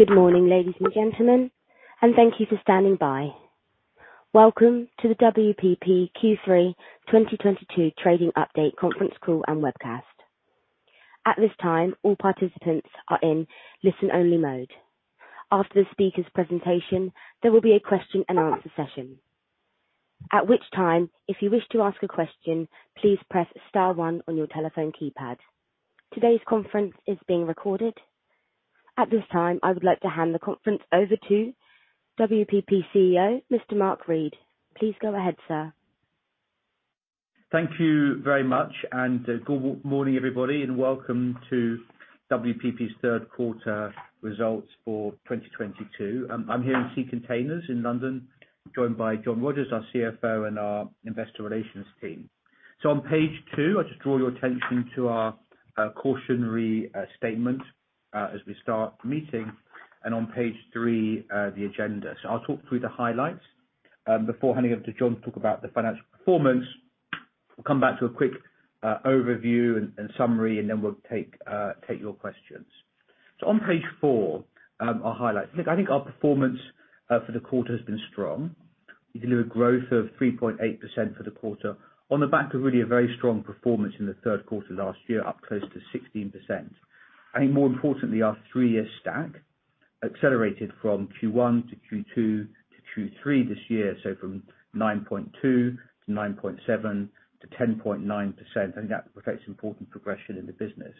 Good morning, ladies and gentlemen, and thank you for standing by. Welcome to the WPP Q3 2022 Trading Update conference call and webcast. At this time, all participants are in listen-only mode. After the speaker's presentation, there will be a question-and-answer session. At which time, if you wish to ask a question, please press star one on your telephone keypad. Today's conference is being recorded. At this time, I would like to hand the conference over to WPP CEO, Mr. Mark Read. Please go ahead, sir. Thank you very much, and good morning, everybody, and welcome to WPP's third quarter results for 2022. I'm here in Sea Containers in London, joined by John Rogers, our CFO, and our investor relations team. On page two, I just draw your attention to our cautionary statement as we start the meeting, and on page three, the agenda. I'll talk through the highlights before handing over to John to talk about the financial performance. We'll come back to a quick overview and summary, and then we'll take your questions. On page four, I'll highlight. Look, I think our performance for the quarter has been strong. We delivered growth of 3.8% for the quarter on the back of really a very strong performance in the third quarter last year, up close to 16%. I think more importantly, our three-year stack accelerated from Q1 to Q2 to Q3 this year, so from 9.2 to 9.7 to 10.9%, and that reflects important progression in the business.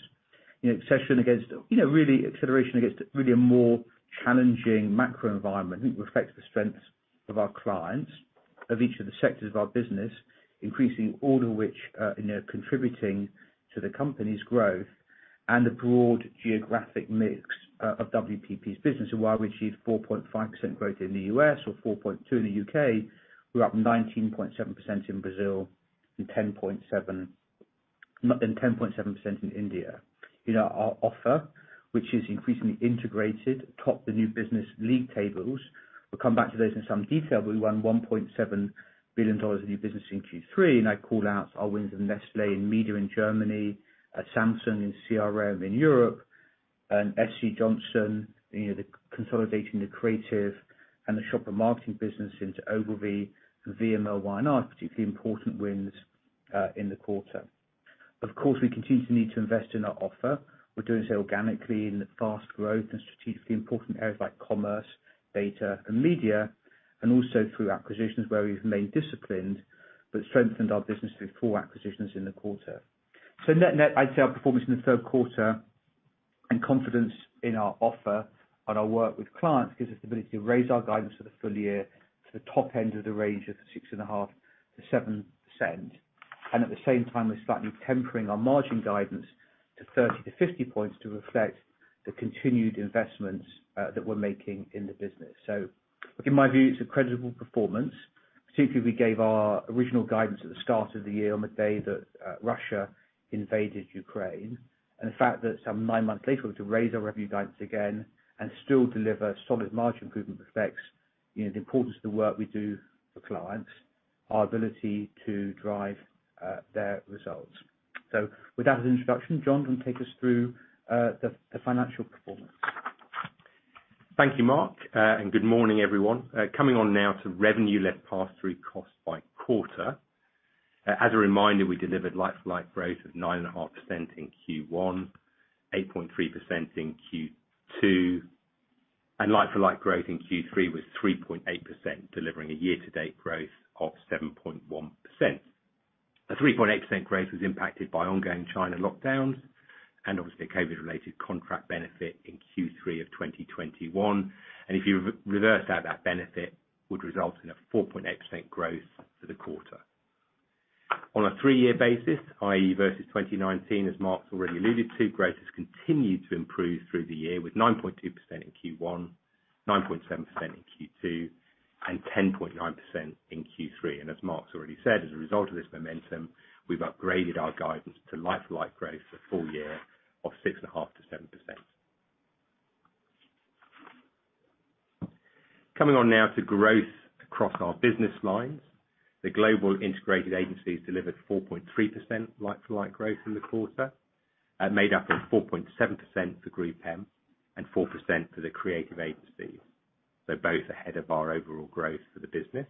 You know, acceleration against, you know, really a more challenging macro environment, I think reflects the strength of our clients, of each of the sectors of our business, increasing all of which, you know, contributing to the company's growth and the broad geographic mix of WPP's business. While we achieved 4.5% growth in the U.S. or 4.2% in the U.K., we're up 19.7% in Brazil and 10.7% in India. You know, our offer, which is increasingly integrated, topped the new business league tables. We'll come back to those in some detail, but we won $1.7 billion of new business in Q3, and I call out our wins with Nestlé in media in Germany, Samsung in CRM in Europe, and SC Johnson, you know, the consolidating the creative and the shopper marketing business into Ogilvy and VMLY&R, particularly important wins, in the quarter. Of course, we continue to need to invest in our offer. We're doing so organically in fast growth and strategically important areas like commerce, data and media, and also through acquisitions where we've remained disciplined, but strengthened our business through four acquisitions in the quarter. Net-net, I'd say our performance in the third quarter and confidence in our offer and our work with clients gives us the ability to raise our guidance for the full year to the top end of the range of 6.5%-7%. And at the same time, we're slightly tempering our margin guidance to 30-50 points to reflect the continued investments that we're making in the business. In my view, it's a creditable performance, particularly we gave our original guidance at the start of the year on the day that Russia invaded Ukraine. The fact that some nine months later, we have to raise our revenue guidance again and still deliver solid margin improvement reflects, you know, the importance of the work we do for clients, our ability to drive their results. With that as introduction, John can take us through the financial performance. Thank you, Mark, and good morning, everyone. Coming on now to revenue less pass-through costs by quarter. As a reminder, we delivered like-for-like growth of 9.5% in Q1, 8.3% in Q2, and like-for-like growth in Q3 was 3.8%, delivering a year-to-date growth of 7.1%. The 3.8% growth was impacted by ongoing China lockdowns and obviously COVID-related contract benefit in Q3 of 2021. If you reverse out that benefit, would result in a 4.8% growth for the quarter. On a three-year basis, i.e., versus 2019, as Mark's already alluded to, growth has continued to improve through the year with 9.2% in Q1, 9.7% in Q2, and 10.9% in Q3. As Mark's already said, as a result of this momentum, we've upgraded our guidance to like-for-like growth for full year of 6.5%-7%. Coming on now to growth across our business lines. The global integrated agencies delivered 4.3% like-for-like growth in the quarter, made up of 4.7% for GroupM and 4% for the creative agencies. Both ahead of our overall growth for the business.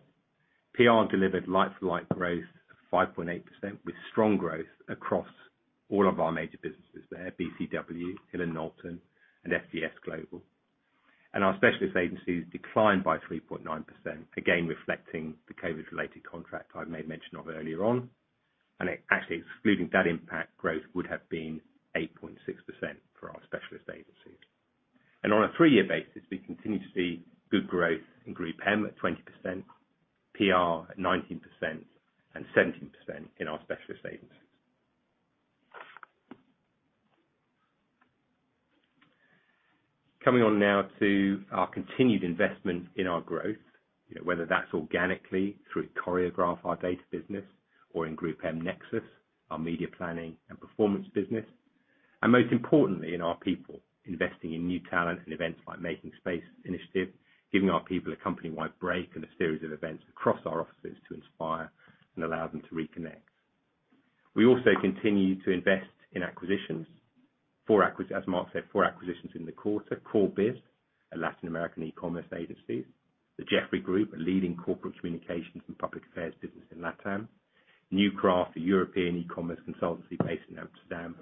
PR delivered like-for-like growth of 5.8%, with strong growth across all of our major businesses there, BCW, Hill & Knowlton, and FGS Global. Our specialist agencies declined by 3.9%, again, reflecting the COVID-related contract I made mention of earlier on. Actually excluding that impact, growth would have been 8.6% for our specialist agencies. On a three-year basis, we continue to see good growth in GroupM at 20%, PR at 19%, and 17% in our specialist agencies. Coming on now to our continued investment in our growth, you know, whether that's organically through Choreograph, our data business, or in GroupM Nexus, our media planning and performance business, and most importantly in our people, investing in new talent and events like Making Space initiative, giving our people a company-wide break and a series of events across our offices to inspire and allow them to reconnect. We also continue to invest in acquisitions. As Mark said, four acquisitions in the quarter. Corebiz, a Latin American e-commerce agency. JeffreyGroup, a leading corporate communications and public affairs business in LATAM. Newcraft, a European e-commerce consultancy based in Amsterdam.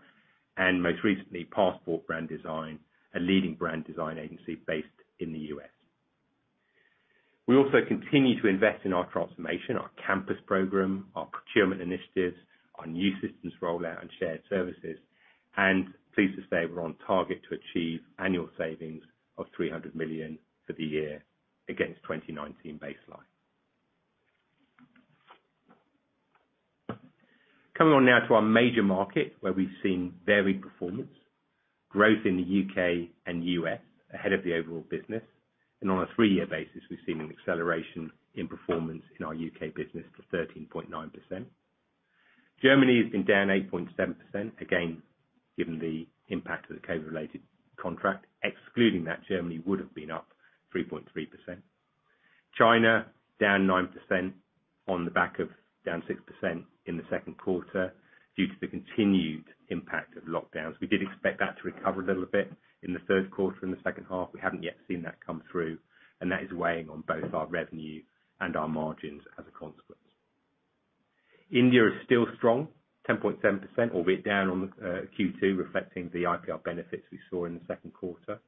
Most recently, Passport Brand Design, a leading brand design agency based in the U.S. We also continue to invest in our transformation, our campus program, our procurement initiatives, our new systems rollout and shared services. Pleased to say we're on target to achieve annual savings of 300 million for the year against 2019 baseline. Coming on now to our major market, where we've seen varied performance. Growth in the U.K. and U.S. ahead of the overall business, and on a three-year basis, we've seen an acceleration in performance in our U.K. business to 13.9%. Germany has been down 8.7%, again, given the impact of the COVID-related contract. Excluding that, Germany would have been up 3.3%. China, down 9% on the back of down 6% in the second quarter due to the continued impact of lockdowns. We did expect that to recover a little bit in the third quarter and the second half. We haven't yet seen that come through, and that is weighing on both our revenue and our margins as a consequence. India is still strong, 10.7%, albeit down on Q2 reflecting the IPL benefits we saw in the second quarter.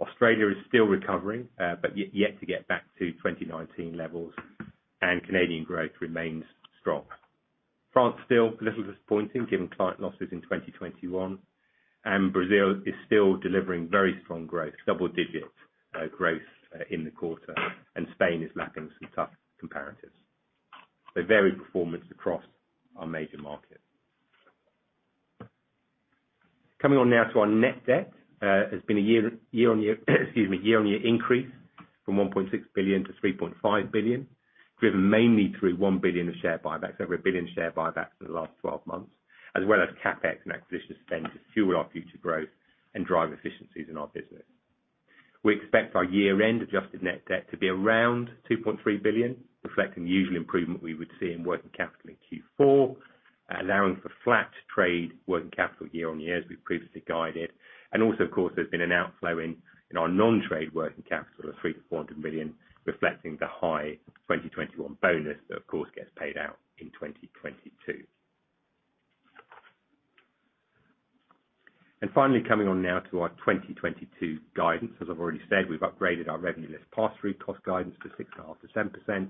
Australia is still recovering, but yet to get back to 2019 levels. Canadian growth remains strong. France, still a little disappointing given client losses in 2021. Brazil is still delivering very strong growth, double-digit growth in the quarter, and Spain is lapping some tough comparatives. Varied performance across our major markets. Coming on now to our net debt. There's been a year-on-year increase from 1.6 billion to 3.5 billion, driven mainly through 1 billion of share buybacks, over a billion share buybacks for the last 12 months, as well as CapEx and acquisition spend to fuel our future growth and drive efficiencies in our business. We expect our year-end adjusted net debt to be around 2.3 billion, reflecting the usual improvement we would see in working capital in Q4, allowing for flat trade working capital year-on-year as we previously guided. Also, of course, there's been an outflow in our non-trade working capital of 300 million-400 million, reflecting the high 2021 bonus that of course gets paid out in 2022. Finally coming on now to our 2022 guidance. As I've already said, we've upgraded our revenue less pass-through costs guidance to 6.5%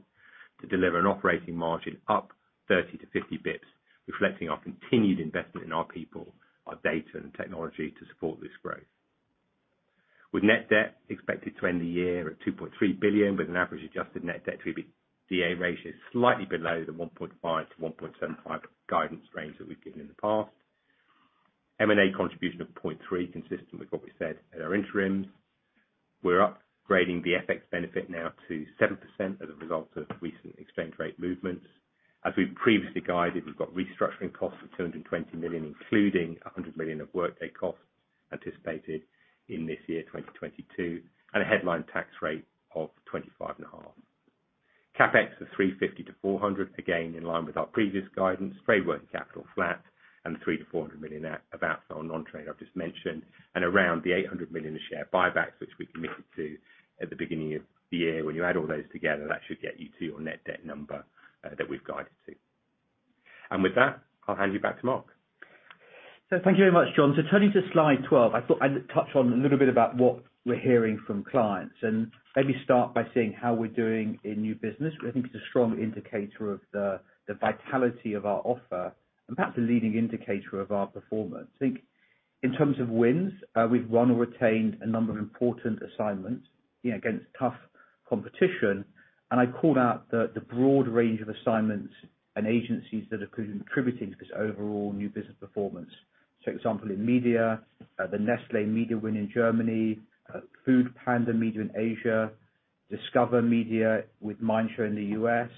to deliver an operating margin up 30-50 basis points, reflecting our continued investment in our people, our data and technology to support this growth. Net debt is expected to end the year at 2.3 billion with an average adjusted net debt to EBITDA ratio slightly below the 1.5-1.75 guidance range that we've given in the past. M&A contribution of 0.3%, consistent with what we said at our interims. We're upgrading the FX benefit now to 7% as a result of recent exchange rate movements. As we've previously guided, we've got restructuring costs of 220 million, including 100 million of Workday costs anticipated in this year, 2022, and a headline tax rate of 25.5%. CapEx of 350 million-400 million, again, in line with our previous guidance. Free working capital flat and the 300 million-400 million outflow on non-trade I've just mentioned, and around the 800 million of share buybacks which we committed to at the beginning of the year. When you add all those together, that should get you to your net debt number, that we've guided to. With that, I'll hand you back to Mark. Thank you very much, John. Turning to slide 12, I thought I'd touch on a little bit about what we're hearing from clients and maybe start by saying how we're doing in new business, which I think is a strong indicator of the vitality of our offer and perhaps a leading indicator of our performance. I think in terms of wins, we've won or retained a number of important assignments, you know, against tough competition. I called out the broad range of assignments and agencies that have been contributing to this overall new business performance. For example, in media, the Nestlé media win in Germany, Foodpanda media in Asia, Discover Media with Mindshare in the U.S.,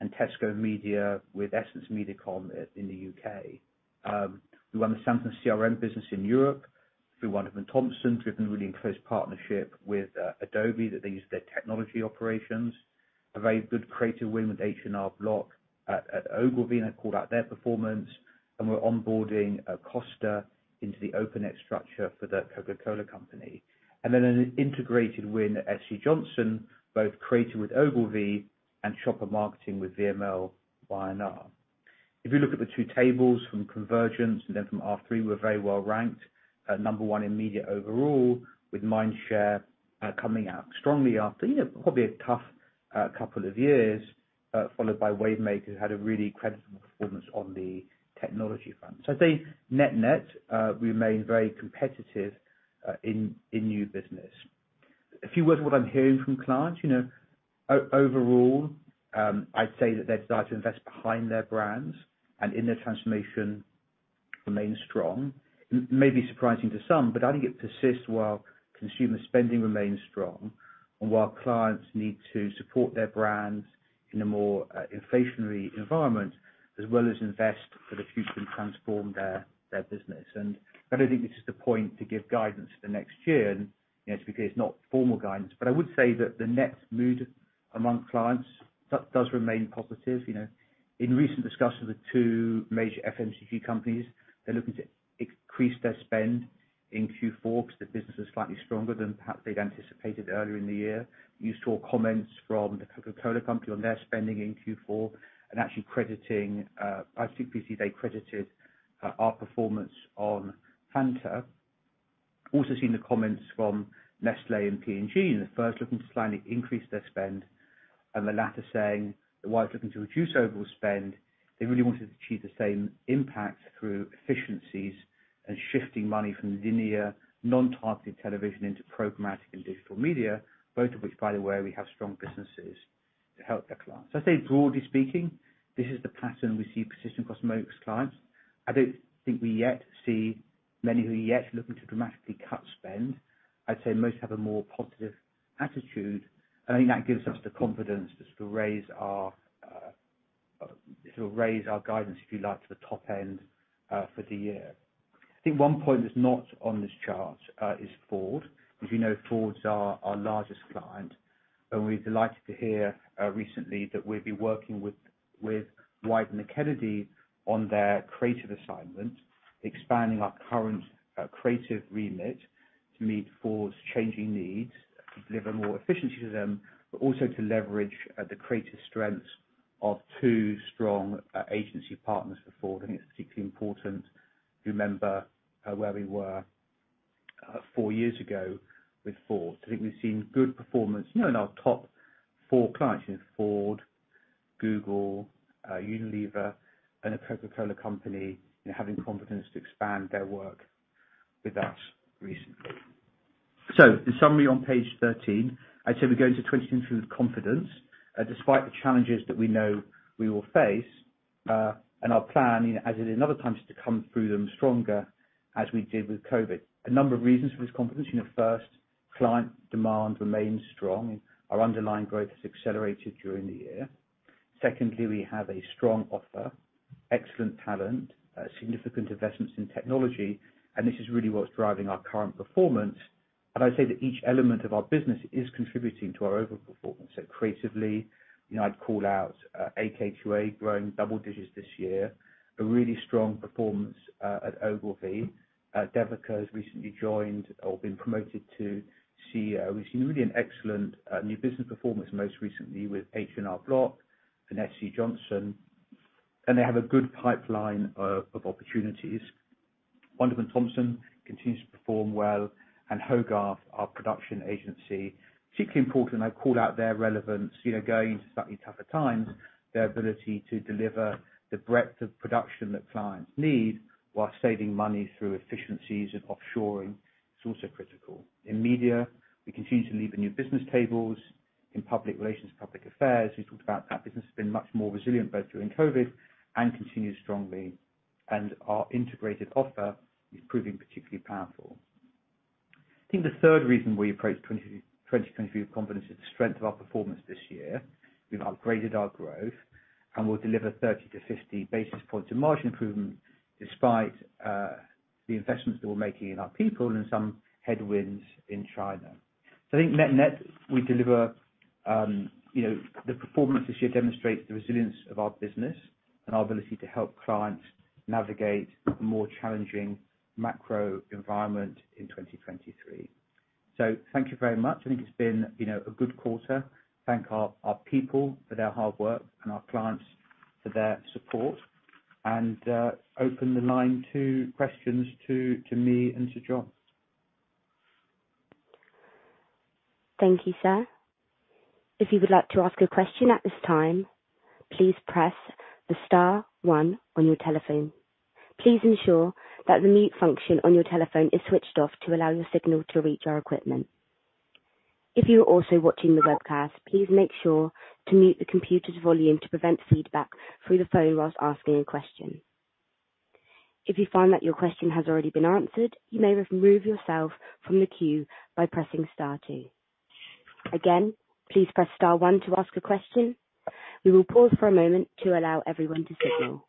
and Tesco Media with EssenceMediacom in the U.K. We won the Samsung CRM business in Europe. We won Wunderman Thompson, driven really in close partnership with Adobe, that they use their technology operations. A very good creative win with H&R Block at Ogilvy, and I called out their performance. We're onboarding Costa into the Open X structure for The Coca-Cola Company. An integrated win at SC Johnson, both creative with Ogilvy and shopper marketing with VMLY&R. If you look at the two tables from COMvergence and then from R3, we're very well-ranked. Number one in media overall with Mindshare, coming out strongly after probably a tough couple of years, followed by Wavemaker, who had a really credible performance on the technology front. I'd say net-net, we remain very competitive in new business. A few words on what I'm hearing from clients. You know, overall, I'd say that they've decided to invest behind their brands and in their transformation remains strong. It may be surprising to some, but I think it persists while consumer spending remains strong and while clients need to support their brands in a more, inflationary environment, as well as invest for the future and transform their business. I don't think this is the point to give guidance for the next year, and, you know, it's because it's not formal guidance. I would say that the net mood among clients does remain positive, you know. In recent discussions with two major FMCG companies, they're looking to increase their spend in Q4 'cause the business is slightly stronger than perhaps they'd anticipated earlier in the year. You saw comments from the Coca-Cola Company on their spending in Q4 and actually crediting, I think previously they credited, our performance on Fanta. Also seen the comments from Nestlé and P&G, and the first looking to slightly increase their spend and the latter saying that while it's looking to reduce overall spend, they really wanted to achieve the same impact through efficiencies and shifting money from linear, non-targeted television into programmatic and digital media, both of which, by the way, we have strong businesses to help the clients. I'd say broadly speaking, this is the pattern we see persistent across most clients. I don't think we yet see many who are yet looking to dramatically cut spend. I'd say most have a more positive attitude, and I think that gives us the confidence just to raise our guidance, if you like, to the top end for the year. I think one point that's not on this chart is Ford. As you know, Ford's our largest client, and we're delighted to hear recently that we'll be working with Wieden+Kennedy on their creative assignment, expanding our current creative remit to meet Ford's changing needs, deliver more efficiency to them, but also to leverage the creative strengths of two strong agency partners for Ford. I think it's particularly important to remember where we were four years ago with Ford. I think we've seen good performance, you know, in our top four clients, in Ford, Google, Unilever and The Coca-Cola Company, you know, having confidence to expand their work with us recently. The summary on page 13, I'd say we go to 22 with confidence, despite the challenges that we know we will face. Our plan, you know, as in other times, is to come through them stronger as we did with COVID. A number of reasons for this confidence. You know, first, client demand remains strong. Our underlying growth has accelerated during the year. Secondly, we have a strong offer, excellent talent, significant investments in technology, and this is really what's driving our current performance. I'd say that each element of our business is contributing to our overall performance. Creatively, you know, I'd call out AKQA growing double digits this year. A really strong performance at Ogilvy. Devika has recently joined or been promoted to CEO. We've seen really an excellent new business performance, most recently with H&R Block and SC Johnson. They have a good pipeline of opportunities. Wunderman Thompson continues to perform well. Hogarth, our production agency, particularly important, I call out their relevance, you know, going into slightly tougher times, their ability to deliver the breadth of production that clients need while saving money through efficiencies and offshoring is also critical. In media, we continue to lead the new business tables. In public relations, public affairs, we talked about that business has been much more resilient both during COVID and continues strongly, and our integrated offer is proving particularly powerful. I think the third reason we approach 2023 with confidence is the strength of our performance this year. We've upgraded our growth and will deliver 30-50 basis points of margin improvement despite the investments that we're making in our people and some headwinds in China. I think we deliver you know the performance this year demonstrates the resilience of our business and our ability to help clients navigate a more challenging macro environment in 2023. Thank you very much. I think it's been you know a good quarter. Thank our people for their hard work and our clients for their support. Open the line to questions to me and to John. Thank you, sir. If you would like to ask a question at this time, please press the star one on your telephone. Please ensure that the mute function on your telephone is switched off to allow your signal to reach our equipment. If you are also watching the webcast, please make sure to mute the computer's volume to prevent feedback through the phone while asking a question. If you find that your question has already been answered, you may remove yourself from the queue by pressing star two. Again, please press star one to ask a question. We will pause for a moment to allow everyone to signal.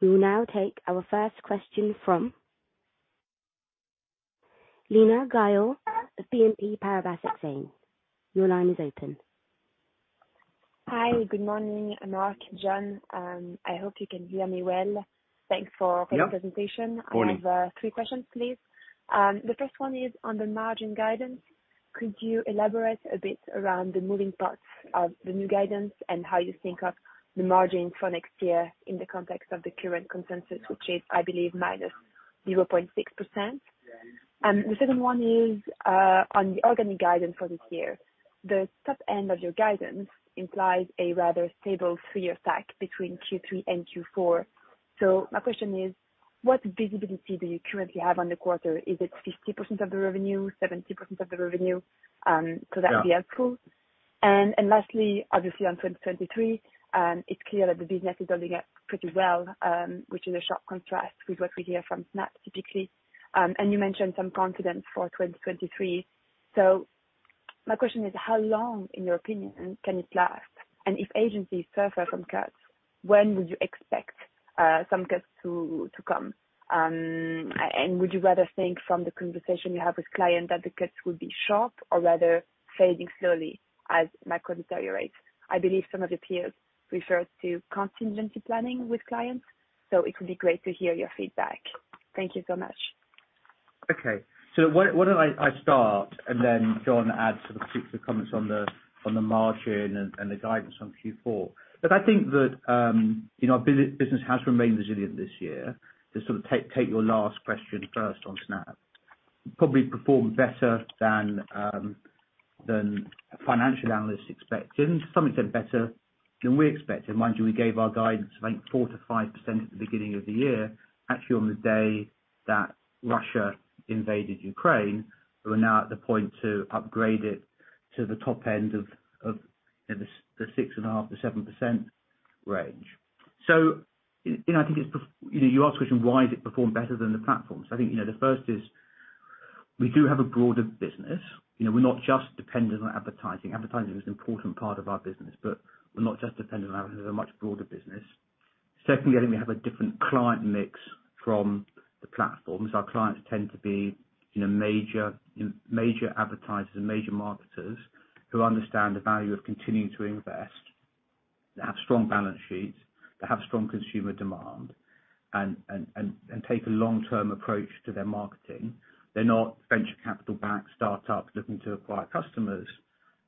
We will now take our first question from Laura Metayer of BNP Paribas. Your line is open. Hi, good morning, Mark, John. I hope you can hear me well. Thanks for. Yeah. the presentation. Morning. I have three questions, please. The first one is on the margin guidance. Could you elaborate a bit around the moving parts of the new guidance and how you think of the margin for next year in the context of the current consensus, which is, I believe, -0.6%? The second one is on the organic guidance for this year. The top end of your guidance implies a rather stable three-year stack between Q3 and Q4. My question is, what visibility do you currently have on the quarter? Is it 50% of the revenue, 70% of the revenue? Yeah. That'd be helpful. Lastly, obviously on 2023, it's clear that the business is building up pretty well, which is a sharp contrast with what we hear from Snap typically. You mentioned some confidence for 2023. My question is, how long, in your opinion, can it last? If agencies suffer from cuts, when would you expect some cuts to come? Would you rather think from the conversation you have with clients that the cuts would be sharp or rather fading slowly as macro deteriorates? I believe some of the peers refer to contingency planning with clients, so it would be great to hear your feedback. Thank you so much. Okay. Why don't I start, and then John adds sort of particular comments on the margin and the guidance on Q4. I think that, you know, our business has remained resilient this year. To sort of take your last question first on Snap. Probably performed better than financial analysts expected. Some have said better than we expected. Mind you, we gave our guidance of like 4%-5% at the beginning of the year, actually on the day that Russia invaded Ukraine. We're now at the point to upgrade it to the top end of the 6.5%-7% range. You know, I think. You know, your last question, why has it performed better than the platforms? I think, you know, the first is we do have a broader business. You know, we're not just dependent on advertising. Advertising is an important part of our business, but we're not just dependent on advertising. We have a much broader business. Secondly, I think we have a different client mix from the platforms. Our clients tend to be, you know, major advertisers and major marketers who understand the value of continuing to invest. They have strong balance sheets, they have strong consumer demand and take a long-term approach to their marketing. They're not venture capital backed startups looking to acquire customers.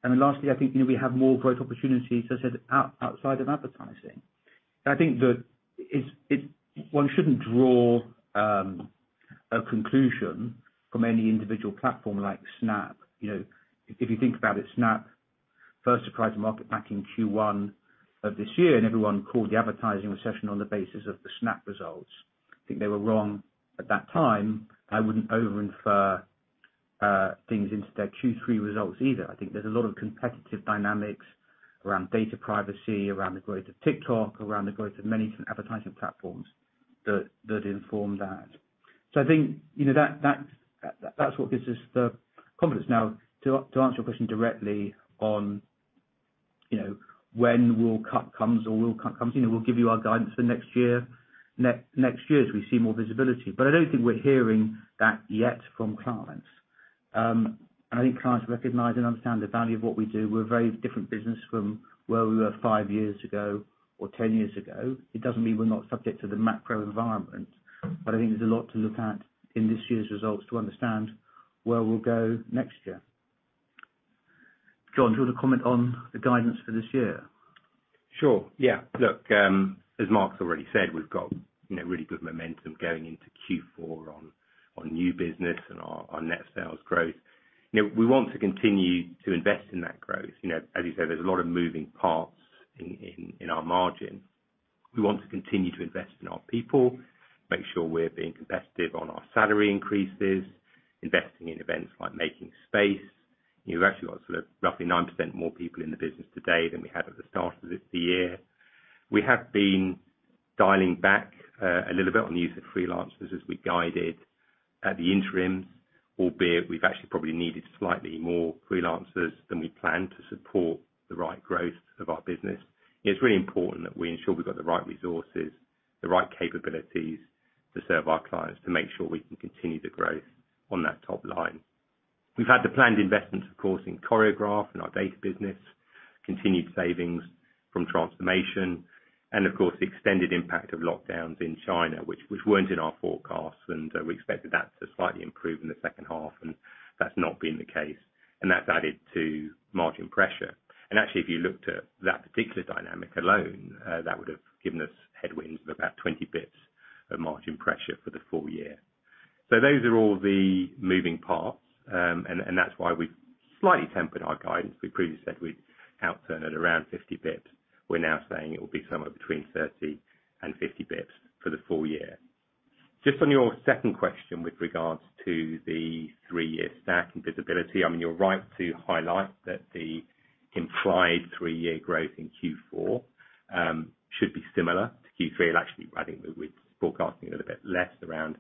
Lastly, I think, you know, we have more growth opportunities, as I said, outside of advertising. I think that it's. One shouldn't draw a conclusion from any individual platform like Snap. You know, if you think about it, Snap first surprised the market back in Q1 of this year, and everyone called the advertising recession on the basis of the Snap results. I think they were wrong at that time. I wouldn't over-infer things into their Q3 results either. I think there's a lot of competitive dynamics around data privacy, around the growth of TikTok, around the growth of many advertising platforms that that inform that. So I think, you know, that's what gives us the confidence. Now, to answer your question directly on, you know, when will cuts come, you know, we'll give you our guidance for next year as we see more visibility. But I don't think we're hearing that yet from clients. And I think clients recognize and understand the value of what we do. We're a very different business from where we were five years ago or 10 years ago. It doesn't mean we're not subject to the macro environment, but I think there's a lot to look at in this year's results to understand where we'll go next year. John, do you want to comment on the guidance for this year? Sure. Yeah. Look, as Mark's already said, we've got, you know, really good momentum going into Q4 on new business and our net sales growth. You know, we want to continue to invest in that growth. You know, as you said, there's a lot of moving parts in our margin. We want to continue to invest in our people, make sure we're being competitive on our salary increases, investing in events like Making Space. You know, we've actually got sort of roughly 9% more people in the business today than we had at the start of this year. We have been dialing back a little bit on the use of freelancers as we guided at the interim, albeit we've actually probably needed slightly more freelancers than we planned to support the right growth of our business. It's really important that we ensure we've got the right resources, the right capabilities to serve our clients, to make sure we can continue the growth on that top line. We've had the planned investments, of course, in Choreograph, in our data business, continued savings from transformation and of course, the extended impact of lockdowns in China, which weren't in our forecasts, and we expected that to slightly improve in the second half, and that's not been the case. That's added to margin pressure. Actually, if you looked at that particular dynamic alone, that would have given us headwinds of about 20 basis points of margin pressure for the full year. Those are all the moving parts. That's why we've slightly tempered our guidance. We previously said we'd outturn at around 50 basis points. We're now saying it will be somewhere between 30 and 50 bps for the full year. Just on your second question with regards to the three-year stack and visibility, I mean, you're right to highlight that the implied three-year growth in Q4 should be similar to Q3. Well, actually, I think we're forecasting a little bit less, around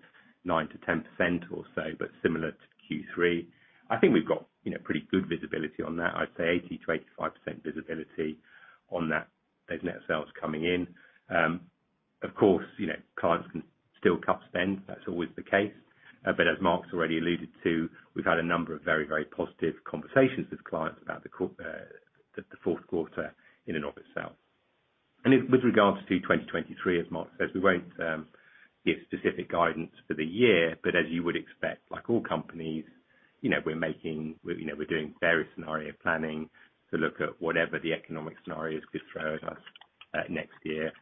9%-10% or so, but similar to Q3. I think we've got, you know, pretty good visibility on that. I'd say 80%-85% visibility on that, those net sales coming in. Of course, you know, clients can still cut spend. That's always the case. But as Mark's already alluded to, we've had a number of very, very positive conversations with clients about the fourth quarter in and of itself. With regards to 2023, as Mark says, we won't give specific guidance for the year, but as you would expect, like all companies. You know, we're doing various scenario planning to look at whatever the economic scenarios could throw at us next year.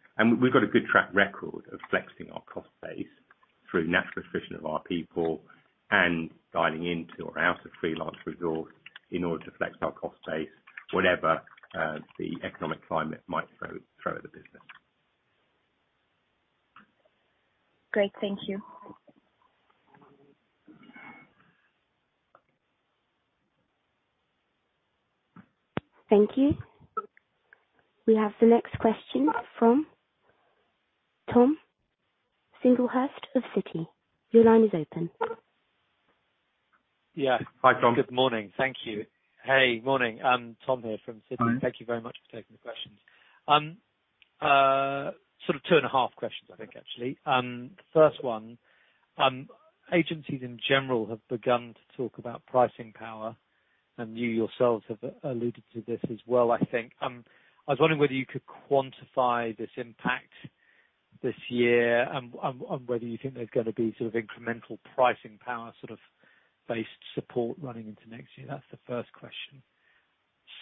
We've got a good track record of flexing our cost base through natural attrition of our people and dialing into or out of freelance resource in order to flex our cost base whatever the economic climate might throw at the business. Great. Thank you. Thank you. We have the next question from Thomas Singlehurst of Citi. Your line is open. Yeah. Hi, Tom. Good morning. Thank you. Hey, morning. I'm Tom Singlehurst here from Citi. Hi. Thank you very much for taking the questions. Sort of 2.5 questions I think, actually. First one, agencies in general have begun to talk about pricing power, and you yourselves have alluded to this as well, I think. I was wondering whether you could quantify this impact this year and whether you think there's gonna be sort of incremental pricing power sort of based support running into next year. That's the first question.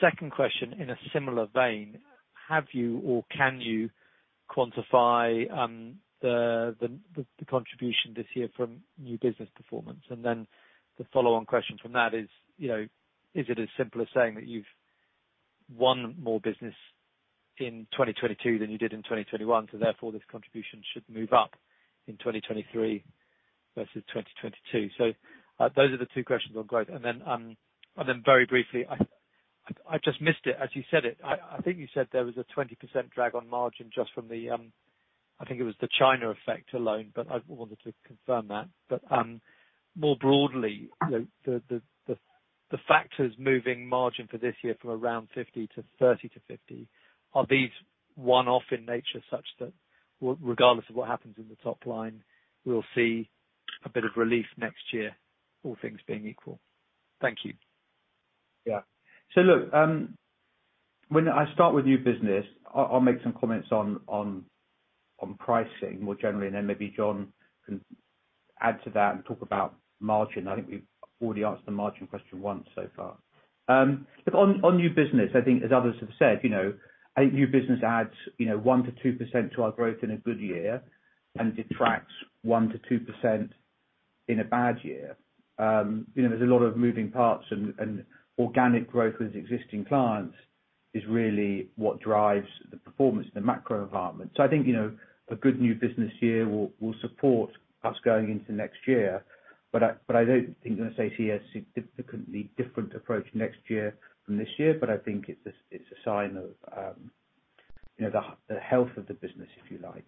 Second question in a similar vein, have you or can you quantify the contribution this year from new business performance? And then the follow on question from that is, you know, is it as simple as saying that you've won more business in 2022 than you did in 2021, so therefore this contribution should move up in 2023 versus 2022? Those are the two questions on growth. Very briefly, I just missed it as you said it. I think you said there was a 20% drag on margin just from the China effect alone, but I wanted to confirm that. More broadly, the factors moving margin for this year from around 50% to 30% to 50% are one-off in nature such that regardless of what happens in the top line, we'll see a bit of relief next year, all things being equal? Thank you. Yeah. Look, when I start with new business, I'll make some comments on pricing more generally, and then maybe John can add to that and talk about margin. I think we've already answered the margin question once so far. On new business, I think as others have said, you know, I think new business adds, you know, 1%-2% to our growth in a good year and detracts 1%-2% in a bad year. You know, there's a lot of moving parts, and organic growth with existing clients is really what drives the performance in the macro environment. I think, you know, a good new business year will support us going into next year, but I don't think I'm gonna see a significantly different approach next year from this year, but I think it's a sign of, you know, the health of the business, if you like.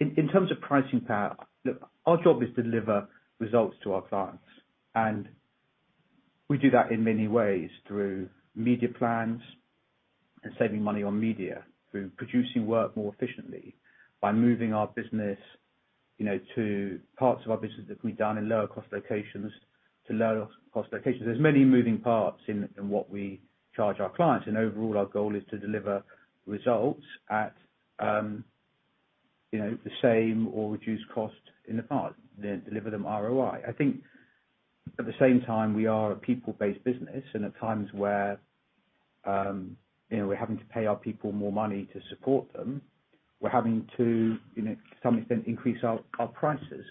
In terms of pricing power, look, our job is to deliver results to our clients, and we do that in many ways through media plans and saving money on media, through producing work more efficiently, by moving our business, you know, to parts of our business that can be done in lower cost locations. There's many moving parts in what we charge our clients, and overall our goal is to deliver results at, you know, the same or reduced cost in the part, then deliver them ROI. I think at the same time we are a people-based business, and at times when, you know, we're having to pay our people more money to support them, we're having to some extent, increase our prices.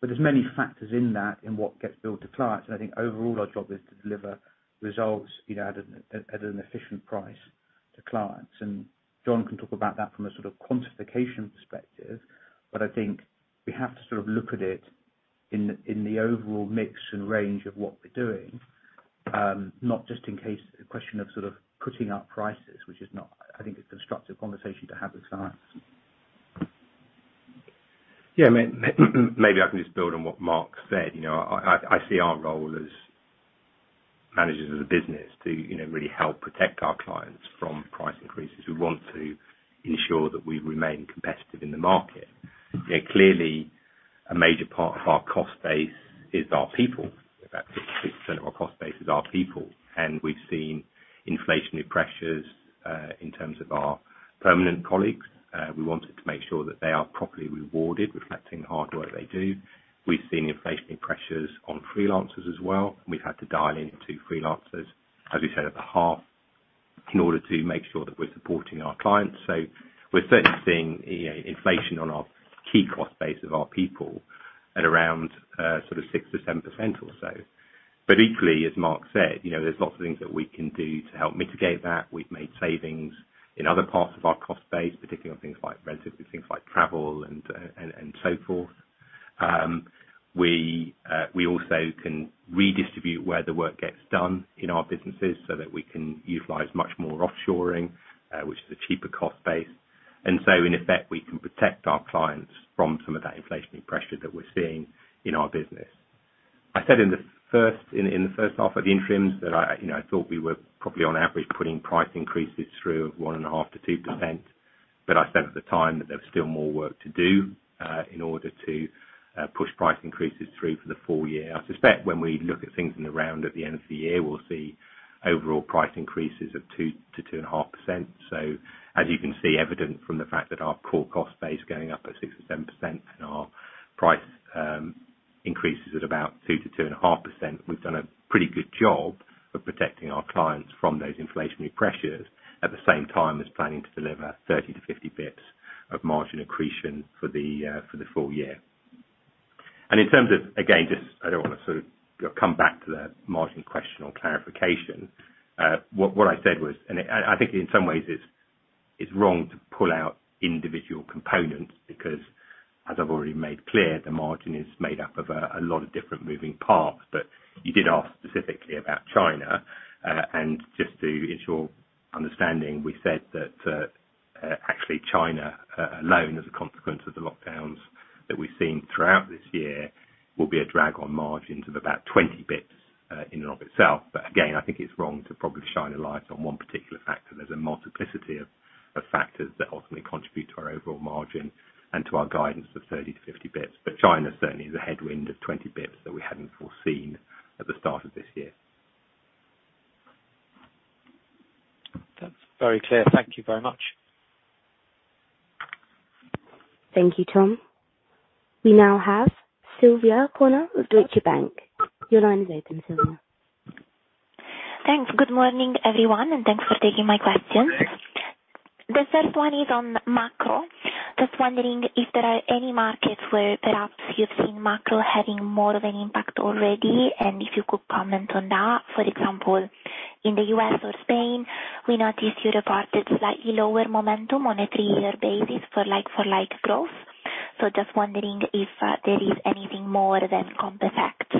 There's many factors in that, what gets billed to clients, and I think overall our job is to deliver results, you know, at an efficient price to clients. John can talk about that from a sort of quantification perspective, but I think we have to sort of look at it in the overall mix and range of what we're doing, not just a question of sort of putting up prices, which is not, I think, a constructive conversation to have with clients. Yeah. Maybe I can just build on what Mark said. You know, I see our role as managers of the business to, you know, really help protect our clients from price increases. We want to ensure that we remain competitive in the market. You know, clearly a major part of our cost base is our people. About 60% of our cost base is our people, and we've seen inflationary pressures in terms of our permanent colleagues. We wanted to make sure that they are properly rewarded, reflecting the hard work they do. We've seen inflationary pressures on freelancers as well. We've had to dial into freelancers, as we said at the half, in order to make sure that we're supporting our clients. We're certainly seeing inflation on our key cost base of our people at around, sort of 6%-7% or so. Equally, as Mark said, you know, there's lots of things that we can do to help mitigate that. We've made savings in other parts of our cost base, particularly on things like rent, things like travel and so forth. We also can redistribute where the work gets done in our businesses so that we can utilize much more offshoring, which is a cheaper cost base. In effect, we can protect our clients from some of that inflationary pressure that we're seeing in our business. I said in the first half of the interims that I you know I thought we were probably on average putting price increases through of 1.5%-2%, but I said at the time that there was still more work to do in order to push price increases through for the full year. I suspect when we look at things in the round at the end of the year, we'll see overall price increases of 2%-2.5%. As you can see, evident from the fact that our core cost base going up at 6%-7% and our price increases at about 2%-2.5%. We've done a pretty good job of protecting our clients from those inflationary pressures, at the same time as planning to deliver 30-50 basis points of margin accretion for the full year. In terms of, again, just I don't wanna sort of come back to the margin question or clarification. What I said was I think in some ways it's wrong to pull out individual components because as I've already made clear, the margin is made up of a lot of different moving parts. You did ask specifically about China. Just to ensure understanding, we said that actually China alone, as a consequence of the lockdowns that we've seen throughout this year, will be a drag on margins of about 20 basis points in and of itself. Again, I think it's wrong to probably shine a light on one particular factor. There's a multiplicity of factors that ultimately contribute to our overall margin and to our guidance of 30-50 basis points, but China certainly is a headwind of 20 basis points that we hadn't foreseen at the start of this year. That's very clear. Thank you very much. Thank you, Tom. We now have Silvia Cuneo of Deutsche Bank. Your line is open, Silvia. Thanks. Good morning, everyone, and thanks for taking my questions. The first one is on macro. Just wondering if there are any markets where perhaps you've seen macro having more of an impact already, and if you could comment on that. For example, in the U.S. or Spain, we noticed you reported slightly lower momentum on a three-year basis for like-for-like growth. Just wondering if there is anything more than comp effect.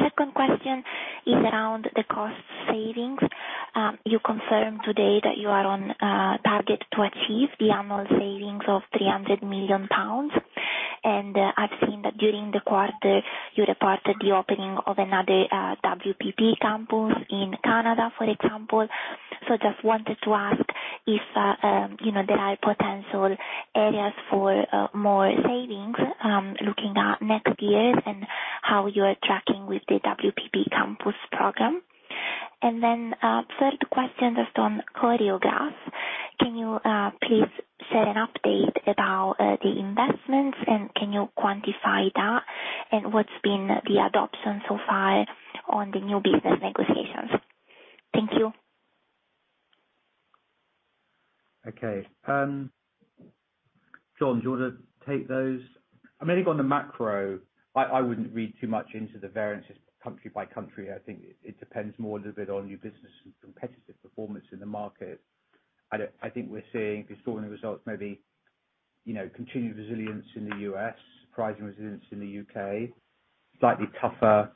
Second question is around the cost savings. You confirm today that you are on target to achieve the annual savings of 300 million pounds. I've seen that during the quarter, you reported the opening of another WPP campus in Canada, for example. Just wanted to ask if, you know, there are potential areas for more savings, looking at next years and how you are tracking with the WPP campus program. Then, third question just on Choreograph. Can you please share an update about the investments, and can you quantify that? What's been the adoption so far on the new business negotiations? Thank you. Okay. John, do you wanna take those? I mean, look, on the macro, I wouldn't read too much into the variances country by country. I think it depends more a little bit on new business and competitive performance in the market. I think we're seeing extraordinary results, maybe, you know, continued resilience in the U.S., surprising resilience in the U.K., slightly tougher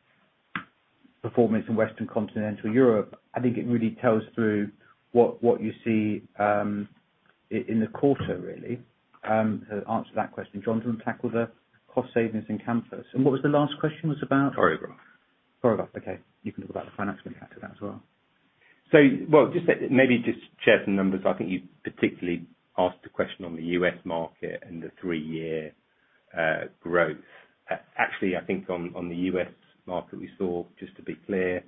performance in Western Continental Europe. I think it really tells through what you see in the quarter really, to answer that question. John, do you wanna tackle the cost savings in campus? What was the last question about? Choreograph. Choreograph. Okay. You can talk about the financial impact of that as well. Well, maybe just share some numbers. I think you particularly asked a question on the U.S. market and the three-year growth. Actually, I think on the U.S. market, we saw, just to be clear,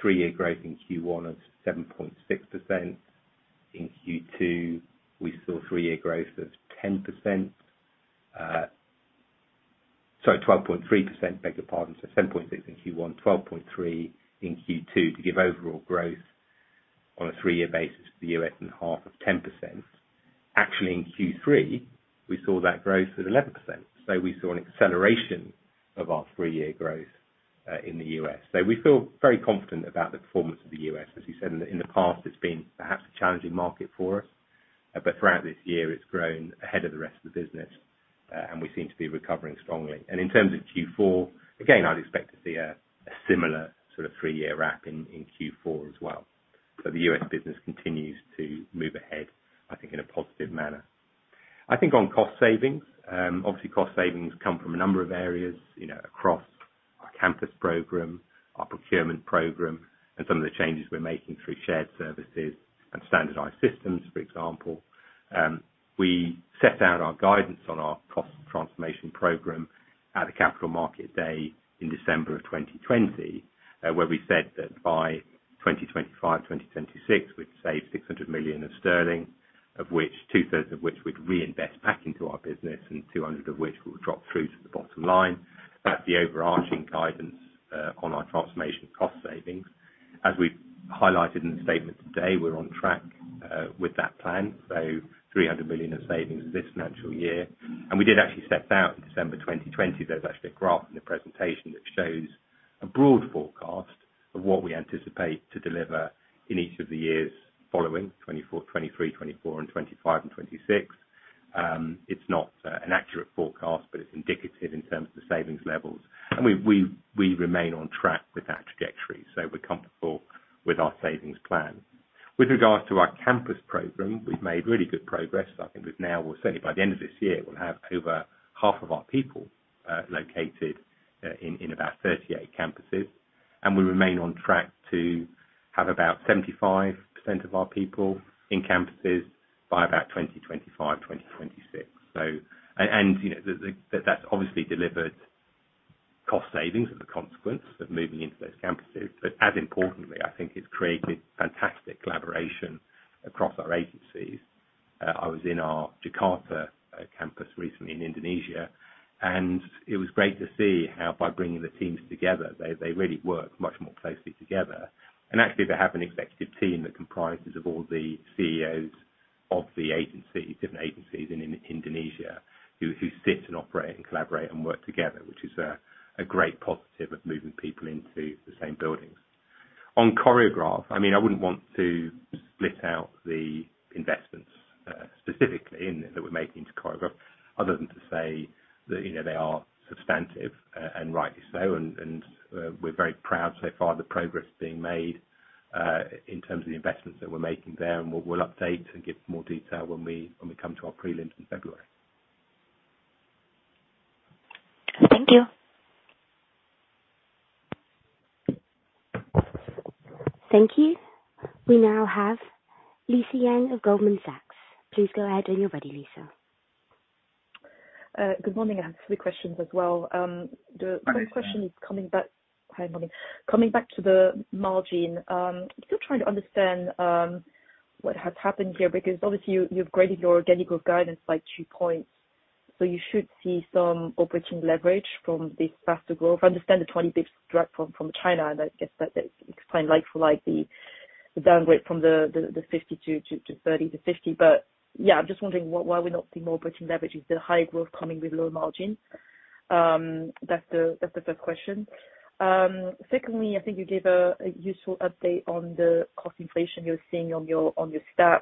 three-year growth in Q1 of 7.6%. In Q2, we saw three-year growth of 10%. Sorry, 12.3%. Beg your pardon. So 7.6% in Q1, 12.3% in Q2. To give overall growth on a three-year basis for the U.S. in half of 10%. Actually, in Q3, we saw that growth at 11%. We saw an acceleration of our three-year growth in the U.S. We feel very confident about the performance of the U.S. As you said, in the past, it's been perhaps a challenging market for us, but throughout this year it's grown ahead of the rest of the business, and we seem to be recovering strongly. In terms of Q4, again, I'd expect to see a similar sort of three-year wrap in Q4 as well. The U.S. business continues to move ahead, I think, in a positive manner. I think on cost savings, obviously, cost savings come from a number of areas, you know, across our campus program, our procurement program, and some of the changes we're making through shared services and standardized systems, for example. We set out our guidance on our cost transformation program at the Capital Markets Day in December of 2020, where we said that by 2025, 2026, we'd save 600 million sterling, of which two-thirds we'd reinvest back into our business and 200 million of which will drop through to the bottom line. That's the overarching guidance on our transformation cost savings. As we highlighted in the statement today, we're on track with that plan. 300 million of savings this financial year. We did actually set out in December 2020, there's actually a graph in the presentation that shows a broad forecast of what we anticipate to deliver in each of the years following, 2023, 2024, 2025 and 2026. It's not an accurate forecast, but it's indicative in terms of the savings levels. We remain on track with that trajectory, so we're comfortable with our savings plan. With regards to our campus program, we've made really good progress. I think certainly by the end of this year, we'll have over half of our people located in about 38 campuses. We remain on track to have about 75% of our people in campuses by about 2025, 2026. You know, that's obviously delivered cost savings as a consequence of moving into those campuses. But as importantly, I think it's created fantastic collaboration across our agencies. I was in our Jakarta campus recently in Indonesia, and it was great to see how by bringing the teams together, they really work much more closely together. Actually, they have an executive team that comprises of all the CEOs of the agencies, different agencies in Indonesia, who sit and operate and collaborate and work together, which is a great positive of moving people into the same buildings. On Choreograph, I mean, I wouldn't want to split out the investments specifically that we're making to Choreograph other than to say that, you know, they are substantive, and rightly so. We're very proud so far the progress being made in terms of the investments that we're making there, and we'll update to give more detail when we come to our prelims in February. Thank you. Thank you. We now have Lisa Yang of Goldman Sachs. Please go ahead when you're ready, Lisa. Good morning. I have three questions as well. The first question is coming back. Good morning. Hi, morning. Coming back to the margin, still trying to understand what has happened here, because obviously you've graded your organic growth guidance by 2 points, so you should see some operating leverage from this faster growth. I understand the 20 bps drop from China, and I guess that explains like-for-like the downgrade from the 50 to 30 to 50. Yeah, I'm just wondering why we're not seeing more operating leverage. Is there higher growth coming with lower margin? That's the first question. Secondly, I think you gave a useful update on the cost inflation you're seeing on your staff.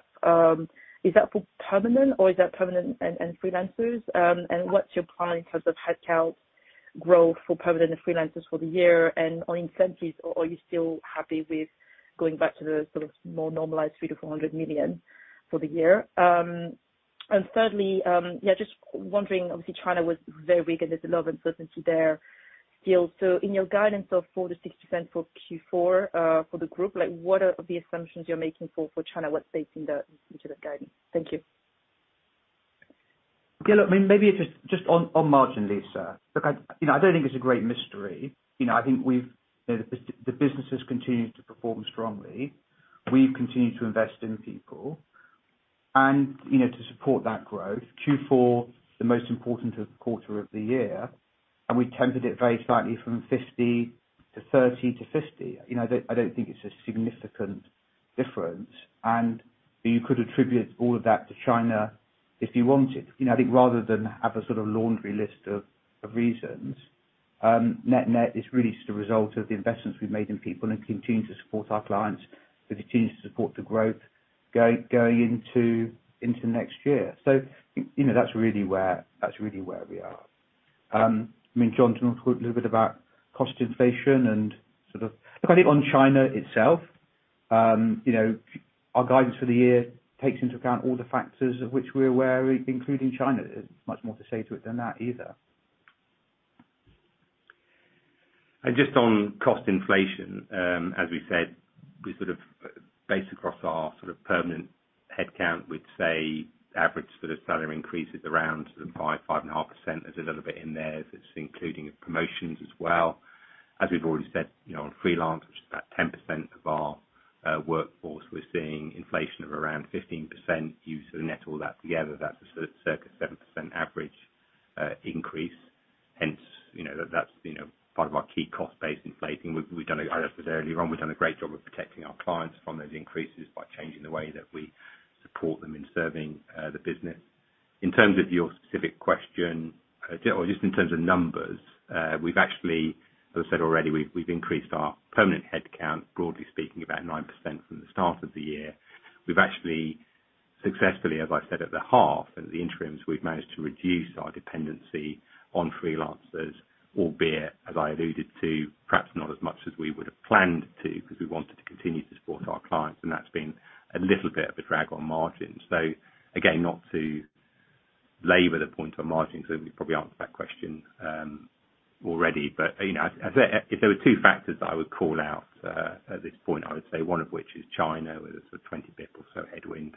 Is that for permanent or is that permanent and freelancers? And what's your plan in terms of headcount growth for permanent and freelancers for the year? On incentives, are you still happy with going back to the sort of more normalized 300 million-400 million for the year? Thirdly, yeah, just wondering, obviously China was very weak and there's a lot of uncertainty there still. In your guidance of 4%-6% for Q4, for the group, like what are the assumptions you're making for China? What's baked into that guidance? Thank you. Yeah, look, I mean, maybe just on margin, Lisa. Look, you know, I don't think it's a great mystery. You know, I think we've. You know, the business has continued to perform strongly. We've continued to invest in people and, you know, to support that growth. Q4, the most important quarter of the year, and we ended it very slightly from 50 to 30 to 50. You know, I don't think it's a significant difference. You could attribute all of that to China if you wanted. You know, I think rather than have a sort of laundry list of reasons, net-net is really just a result of the investments we've made in people and continue to support our clients. We continue to support the growth going into next year. You know, that's really where we are. I mean, John talked a little bit about cost inflation. Look, I think on China itself, you know, our guidance for the year takes into account all the factors of which we're aware, including China. There's much more to say to it than that either. Just on cost inflation, as we said, we sort of based across our sort of permanent headcount, we'd say average sort of salary increase is around sort of 5%-5.5%. There's a little bit in there that's including promotions as well. As we've already said, you know, on freelance, which is about 10% of our workforce, we're seeing inflation of around 15%. You sort of net all that together, that's a sort of circa 7% average increase. Hence, you know, that's, you know, part of our key cost base inflation. We've done a great job of protecting our clients from those increases by changing the way that we support them in serving the business. In terms of your specific question, or just in terms of numbers, we've actually, as I said already, we've increased our permanent headcount, broadly speaking, about 9% from the start of the year. We've actually successfully, as I said at the half, at the interims, we've managed to reduce our dependency on freelancers, albeit, as I alluded to, perhaps not as much as we would have planned to, because we wanted to continue to support our clients, and that's been a little bit of a drag on margins. Again, not to labor the point on margins, we probably answered that question already. You know, if there were two factors that I would call out at this point, I would say one of which is China with a sort of 20 basis points or so headwind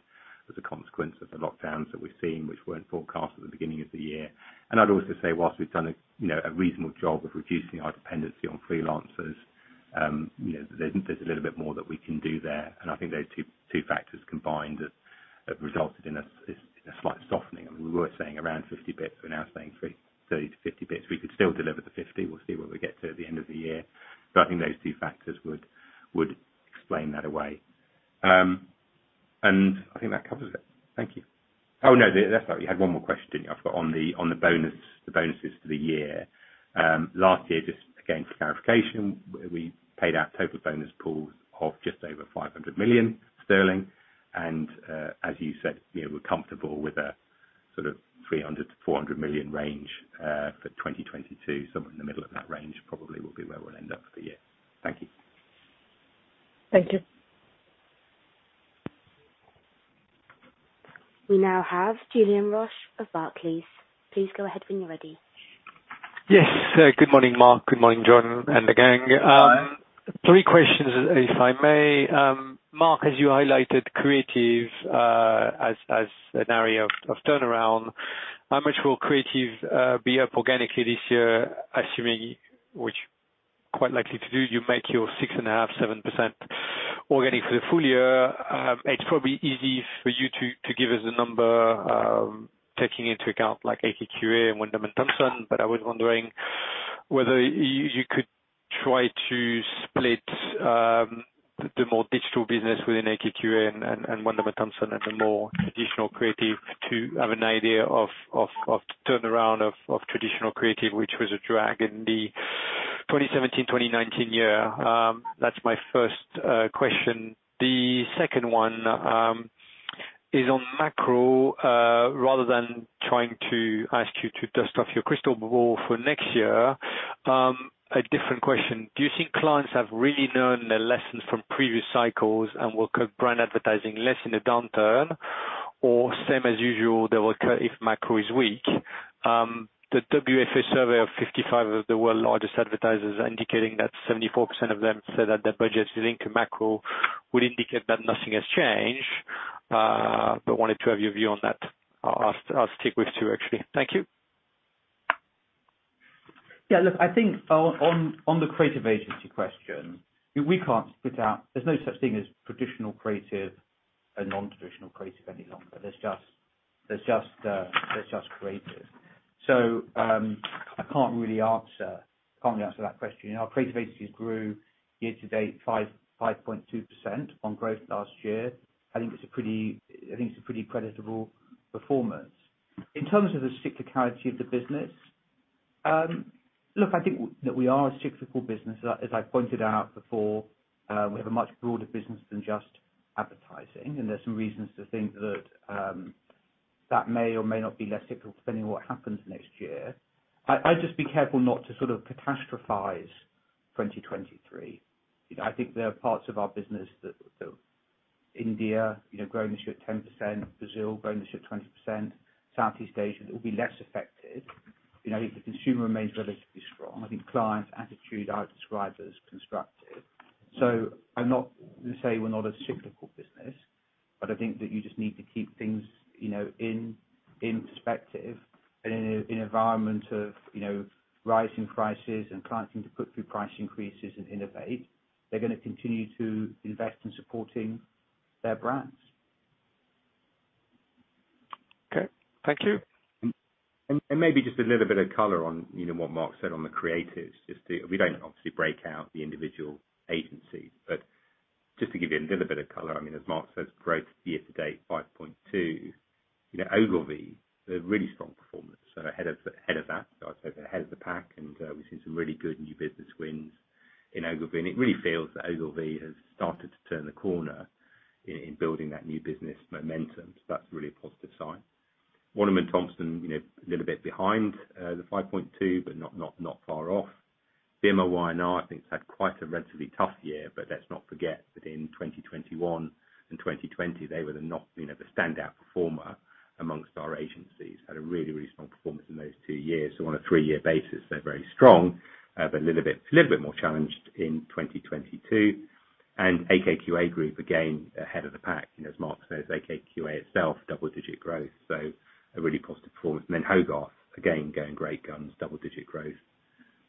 as a consequence of the lockdowns that we've seen, which weren't forecast at the beginning of the year. I'd also say while we've done, you know, a reasonable job of reducing our dependency on freelancers, you know, there's a little bit more that we can do there. I think those two factors combined have resulted in a slight softening. I mean, we were saying around 50 basis points. We're now saying 30-50 basis points. We could still deliver the 50. We'll see where we get to at the end of the year. But I think those two factors would explain that away. I think that covers it. Thank you. Oh, no. That's right. You had one more question, didn't you? I've got on the bonuses for the year. Last year, just again for clarification, we paid out total bonus pools of just over 500 million sterling. As you said, you know, we're comfortable with a sort of 300 million-400 million range for 2022. Somewhere in the middle of that range probably will be where we'll end up for the year. Thank you. Thank you. We now have Julien Roch of Barclays. Please go ahead when you're ready. Yes. Good morning, Mark. Good morning, John, and the gang. Hi. Three questions if I may. Mark, as you highlighted creative as an area of turnaround, how much will creative be up organically this year, assuming, quite likely, you make your 6.5%-7% organic for the full year. It's probably easy for you to give us a number, taking into account, like, AKQA and Wunderman Thompson, but I was wondering whether you could try to split the more digital business within AKQA and Wunderman Thompson and the more traditional creative to have an idea of turnaround of traditional creative, which was a drag in the 2017-2019 year. That's my first question. The second one is on macro. Rather than trying to ask you to dust off your crystal ball for next year, a different question. Do you think clients have really learned their lessons from previous cycles and will cut brand advertising less in a downturn? Or same as usual, they will cut if macro is weak. The WFA survey of 55 of the world's largest advertisers indicating that 74% of them said that their budgets linked to macro would indicate that nothing has changed. But wanted to have your view on that. I'll stick with two, actually. Thank you. Yeah, look, I think on the creative agency question, we can't split out. There's no such thing as traditional creative and non-traditional creative any longer. There's just creative. So, I can't really answer that question. You know, our creative agencies grew year to date 5.2% on growth last year. I think it's a pretty creditable performance. In terms of the cyclicality of the business, look, I think that we are a cyclical business. As I pointed out before, we have a much broader business than just advertising, and there's some reasons to think that that may or may not be less cyclical depending on what happens next year. I'd just be careful not to sort of catastrophize 2023. You know, I think there are parts of our business that, so India, you know, growing this year at 10%, Brazil growing this year at 20%, Southeast Asia that will be less affected. You know, I think the consumer remains relatively strong. I think clients' attitude, I would describe as constructive. I'm not to say we're not a cyclical business, but I think that you just need to keep things, you know, in perspective. In an environment of, you know, rising prices and clients needing to put through price increases and innovate, they're gonna continue to invest in supporting their brands. Okay. Thank you. Maybe just a little bit of color on, you know, what Mark said on the creatives. We don't obviously break out the individual agencies, but just to give you a little bit of color, I mean, as Mark says, growth year to date, 5.2%. You know, Ogilvy, a really strong performance. So ahead of that, I'd say they're ahead of the pack, and we've seen some really good new business wins in Ogilvy. It really feels that Ogilvy has started to turn the corner in building that new business momentum. So that's really a positive sign. Wunderman Thompson, you know, a little bit behind the 5.2%, but not far off. VMLY&R, I think, has had quite a relatively tough year. Let's not forget that in 2021 and 2020, they were not, you know, the standout performer among our agencies. Had a really strong performance in those two years. On a three-year basis, they're very strong. But a little bit more challenged in 2022. AKQA Group, again, ahead of the pack. You know, as Mark says, AKQA itself, double-digit growth, so a really positive performance. Then Hogarth, again, going great guns, double-digit growth,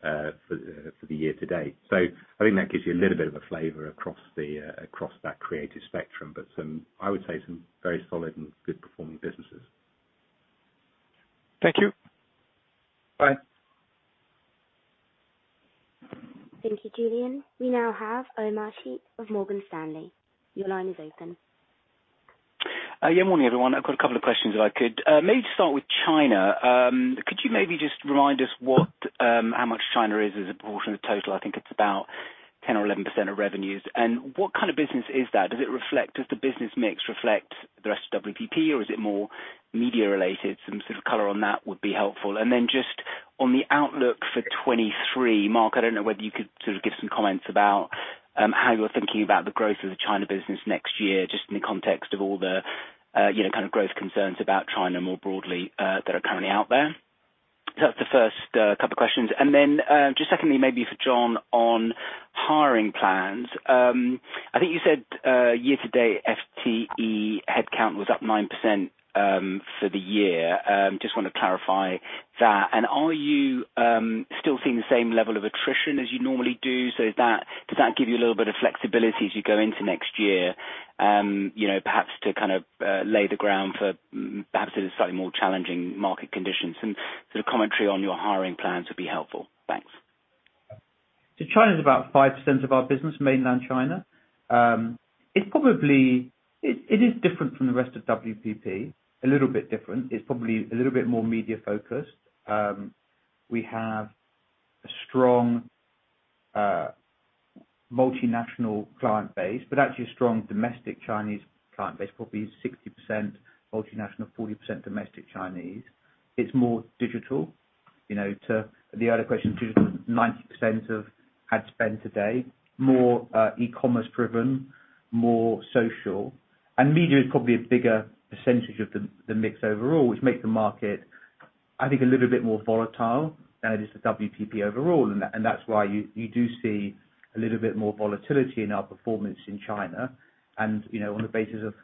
for the year to date. I think that gives you a little bit of a flavor across that creative spectrum, but some very solid and good performing businesses. Thank you. Bye. Thank you, Julien. We now have Omar Sheikh of Morgan Stanley. Your line is open. Yeah, morning, everyone. I've got a couple of questions if I could. Maybe to start with China. Could you just remind us how much China is as a portion of the total? I think it's about 10% or 11% of revenues. What kind of business is that? Does the business mix reflect the rest of WPP, or is it more media related? Some sort of color on that would be helpful. Just on the outlook for 2023, Mark, I don't know whether you could sort of give some comments about how you're thinking about the growth of the China business next year, just in the context of all the you know, kind of growth concerns about China more broadly that are currently out there. That's the first couple questions. Just secondly, maybe for John on hiring plans. I think you said year to date, FTE headcount was up 9%, for the year. Just want to clarify that. Are you still seeing the same level of attrition as you normally do? Is that, does that give you a little bit of flexibility as you go into next year, you know, perhaps to kind of lay the ground for perhaps a slightly more challenging market conditions? Some sort of commentary on your hiring plans would be helpful. Thanks. China's about 5% of our business, mainland China. It's probably a little bit different from the rest of WPP. It's probably a little bit more media focused. We have a strong multinational client base, but actually a strong domestic Chinese client base, probably 60% multinational, 40% domestic Chinese. It's more digital. You know, to the other question too, 90% of ad spend today is more e-commerce driven, more social. Media is probably a bigger percentage of the mix overall, which makes the market, I think, a little bit more volatile than it is for WPP overall. That's why you do see a little bit more volatility in our performance in China. You know, on the basis of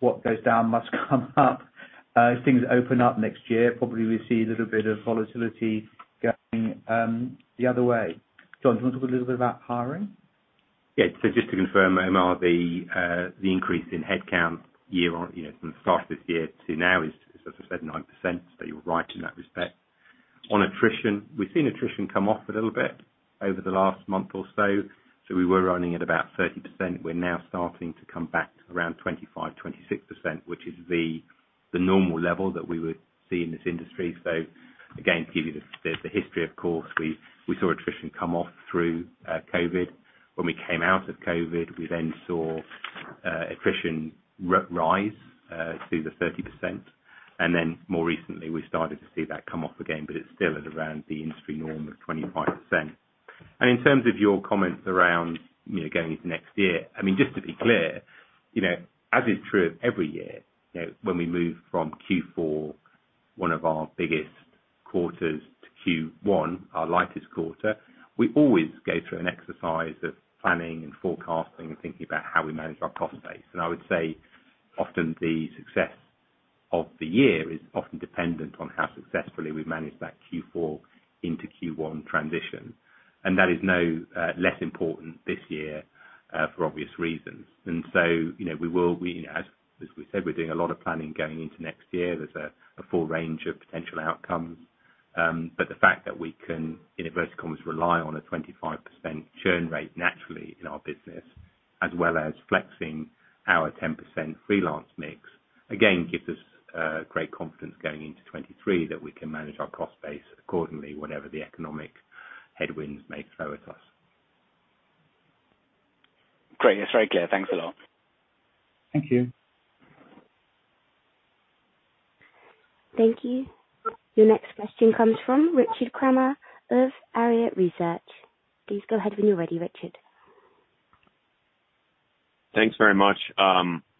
what goes down must come up. If things open up next year, probably we'll see a little bit of volatility going the other way. John, do you wanna talk a little bit about hiring? Just to confirm, Omar, the increase in headcount year on from the start of this year to now is, as I said, 9%. You're right in that respect. On attrition, we've seen attrition come off a little bit over the last month or so. We were running at about 30%. We're now starting to come back to around 25%-26%, which is the normal level that we would see in this industry. Again, to give you the history, of course, we saw attrition come off through COVID. When we came out of COVID, we then saw attrition rise to the 30%. Then more recently, we started to see that come off again, but it's still at around the industry norm of 25%. In terms of your comments around, you know, going into next year, I mean, just to be clear, you know, as is true of every year, you know, when we move from Q4, one of our biggest quarters, to Q1, our lightest quarter, we always go through an exercise of planning and forecasting and thinking about how we manage our cost base. I would say often the success of the year is often dependent on how successfully we've managed that Q4 into Q1 transition. That is no less important this year, for obvious reasons. You know, we will, you know, as we said, we're doing a lot of planning going into next year. There's a full range of potential outcomes. The fact that we can, you know, virtually almost rely on a 25% churn rate naturally in our business, as well as flexing our 10% freelance mix, again, gives us great confidence going into 2023 that we can manage our cost base accordingly, whatever the economic headwinds may throw at us. Great. That's very clear. Thanks a lot. Thank you. Thank you. Your next question comes from Richard Kramer of Arete Research. Please go ahead when you're ready, Richard. Thanks very much.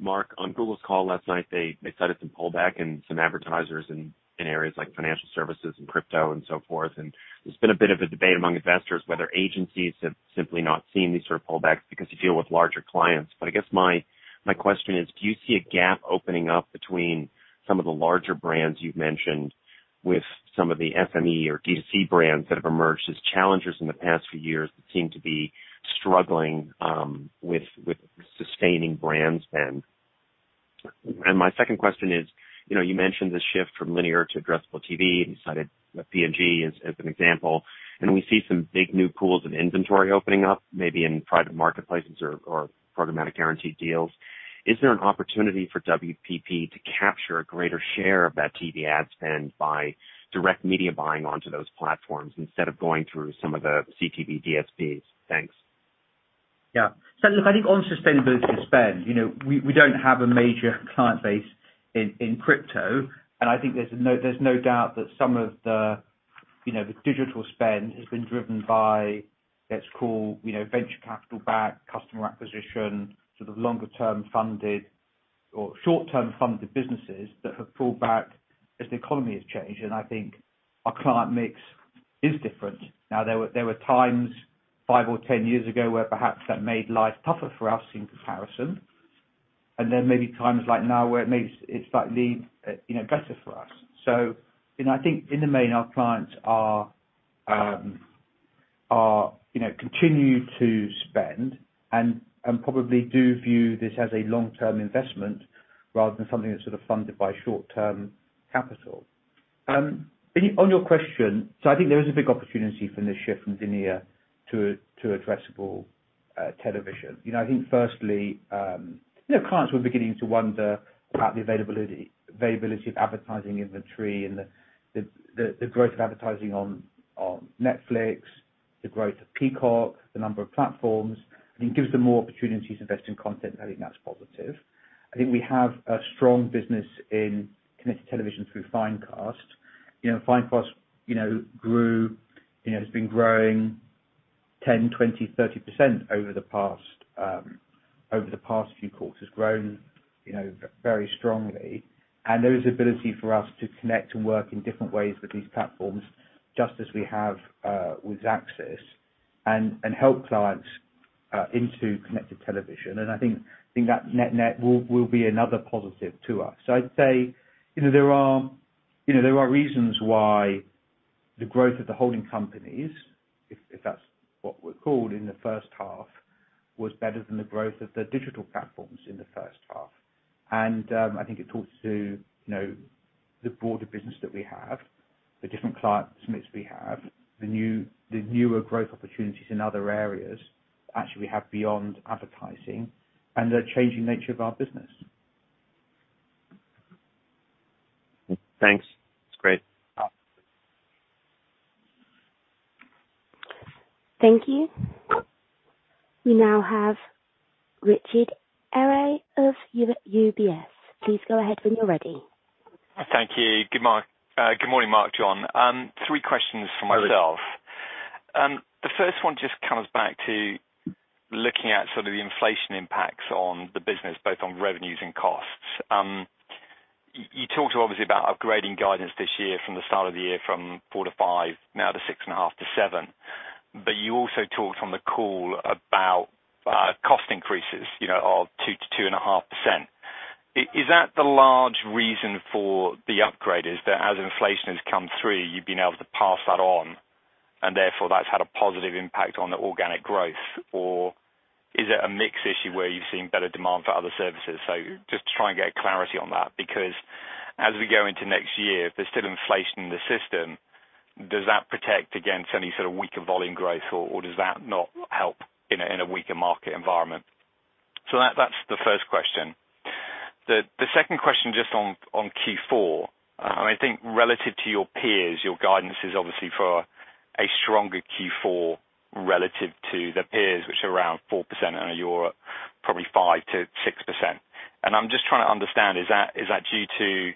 Mark, on Google's call last night, they cited some pullback in some advertisers in areas like financial services and crypto and so forth. There's been a bit of a debate among investors whether agencies have simply not seen these sort of pullbacks because you deal with larger clients. I guess, my question is, do you see a gap opening up between some of the larger brands you've mentioned with some of the SME or DTC brands that have emerged as challengers in the past few years that seem to be struggling with sustaining brand spend? My second question is, you know, you mentioned the shift from linear to addressable TV, you cited P&G as an example. We see some big new pools of inventory opening up, maybe in private marketplaces or programmatic guaranteed deals. Is there an opportunity for WPP to capture a greater share of that TV ad spend by direct media buying onto those platforms instead of going through some of the CTV DSPs? Thanks. Yeah. Look, I think on sustainability spend, you know, we don't have a major client base in crypto. I think there's no doubt that some of the, you know, the digital spend has been driven by, let's call, you know, venture capital backed customer acquisition, sort of longer term funded or short term funded businesses that have pulled back as the economy has changed. I think our client mix is different. Now, there were times five or 10 years ago where perhaps that made life tougher for us in comparison. There may be times like now where it makes it slightly, you know, better for us. You know, I think in the main, our clients continue to spend and probably do view this as a long-term investment rather than something that's sort of funded by short-term capital. On your question, I think there is a big opportunity from this shift from linear to addressable television. You know, I think firstly, you know, clients were beginning to wonder about the availability of advertising inventory and the growth of advertising on Netflix, the growth of Peacock, the number of platforms. I think it gives them more opportunities to invest in content. I think that's positive. I think we have a strong business in connected television through Finecast. You know, Finecast, you know, has been growing 10%, 20%, 30% over the past few quarters, you know, very strongly. There is ability for us to connect and work in different ways with these platforms, just as we have with Xaxis, and help clients into connected television. I think that net-net will be another positive to us. I'd say, you know, there are reasons why the growth of the holding companies, if that's what we're called, in the first half was better than the growth of the digital platforms in the first half. I think it talks to, you know, the broader business that we have, the different client mix we have, the new, the newer growth opportunities in other areas that actually we have beyond advertising and the changing nature of our business. Thanks. That's great. Uh. Thank you. We now have Richard Eary of UBS. Please go ahead when you're ready. Thank you. Good morning, Mark, John. Three questions from myself. Hi, Rich. The first one just comes back to looking at sort of the inflation impacts on the business, both on revenues and costs. You talked obviously about upgrading guidance this year from the start of the year from 4%-5% now to 6.5%-7%. You also talked on the call about cost increases, you know, of 2%-2.5%. Is that the large reason for the upgrade is that as inflation has come through, you've been able to pass that on and therefore that's had a positive impact on the organic growth? Or is it a mix issue where you're seeing better demand for other services? So just to try and get clarity on that, because as we go into next year, there's still inflation in the system. Does that protect against any sort of weaker volume growth, or does that not help in a weaker market environment? That's the first question. The second question just on Q4. I think relative to your peers, your guidance is obviously for a stronger Q4 relative to the peers, which are around 4%, I know you're at probably 5%-6%. I'm just trying to understand, is that due to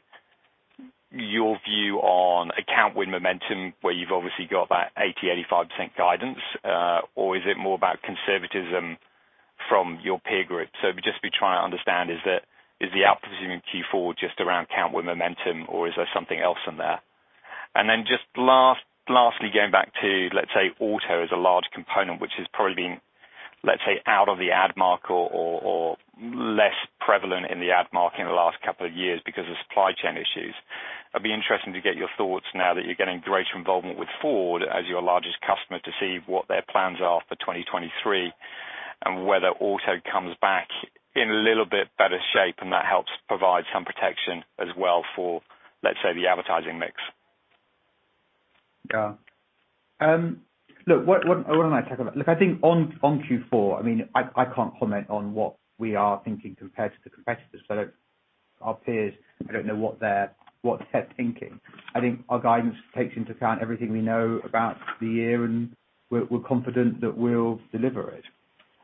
your view on account win momentum, where you've obviously got that 80%-85% guidance? Or is it more about conservatism from your peer group? I'm just trying to understand, is the outperforming Q4 just around account win momentum, or is there something else in there? Just lastly, going back to, let's say, auto is a large component, which has probably been, let's say, out of the ad market or less prevalent in the ad market in the last couple of years because of supply chain issues. I'd be interested to get your thoughts now that you're getting greater involvement with Ford as your largest customer, to see what their plans are for 2023 and whether auto comes back in a little bit better shape, and that helps provide some protection as well for, let's say, the advertising mix. Yeah. Look, I think on Q4, I mean, I can't comment on what we are thinking compared to the competitors. Our peers, I don't know what they're thinking. I think our guidance takes into account everything we know about the year, and we're confident that we'll deliver it.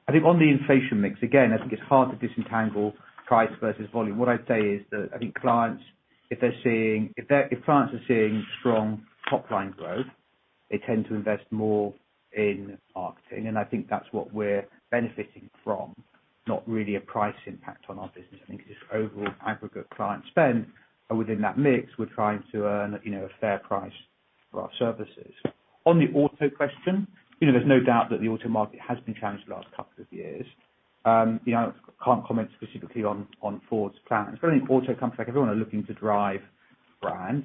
I think on the inflation mix, again, I think it's hard to disentangle price versus volume. What I'd say is that I think clients, if clients are seeing strong top line growth, they tend to invest more in marketing, and I think that's what we're benefiting from, not really a price impact on our business. I think it's just overall aggregate client spend. Within that mix, we're trying to earn, you know, a fair price for our services. On the auto question, you know, there's no doubt that the auto market has been challenged the last couple of years. You know, can't comment specifically on Ford's plans, but I think auto companies, like everyone, are looking to drive brand.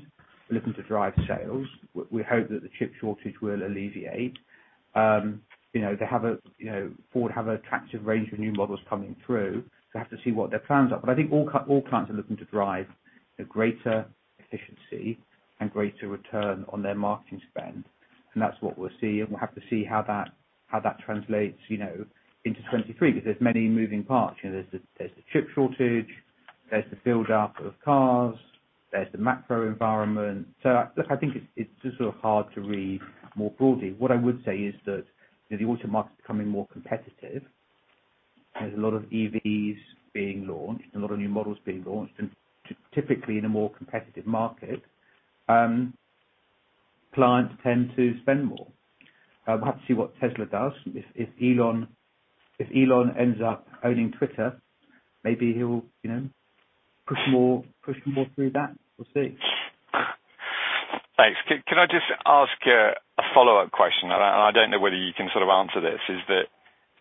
We're looking to drive sales. We hope that the chip shortage will alleviate. You know, they have a, you know, Ford have attractive range of new models coming through. Have to see what their plans are. But I think all clients are looking to drive a greater efficiency and greater return on their marketing spend, and that's what we'll see. We'll have to see how that translates, you know, into 2023, 'cause there's many moving parts. You know, there's the chip shortage, there's the build up of cars, there's the macro environment. Look, I think it's just sort of hard to read more broadly. What I would say is that, you know, the auto market is becoming more competitive. There's a lot of EVs being launched and a lot of new models being launched. Typically, in a more competitive market, clients tend to spend more. We'll have to see what Tesla does. If Elon Musk ends up owning Twitter, maybe he'll, you know, push more through that. We'll see. Thanks. Can I just ask a follow-up question? I don't know whether you can sort of answer this. Is it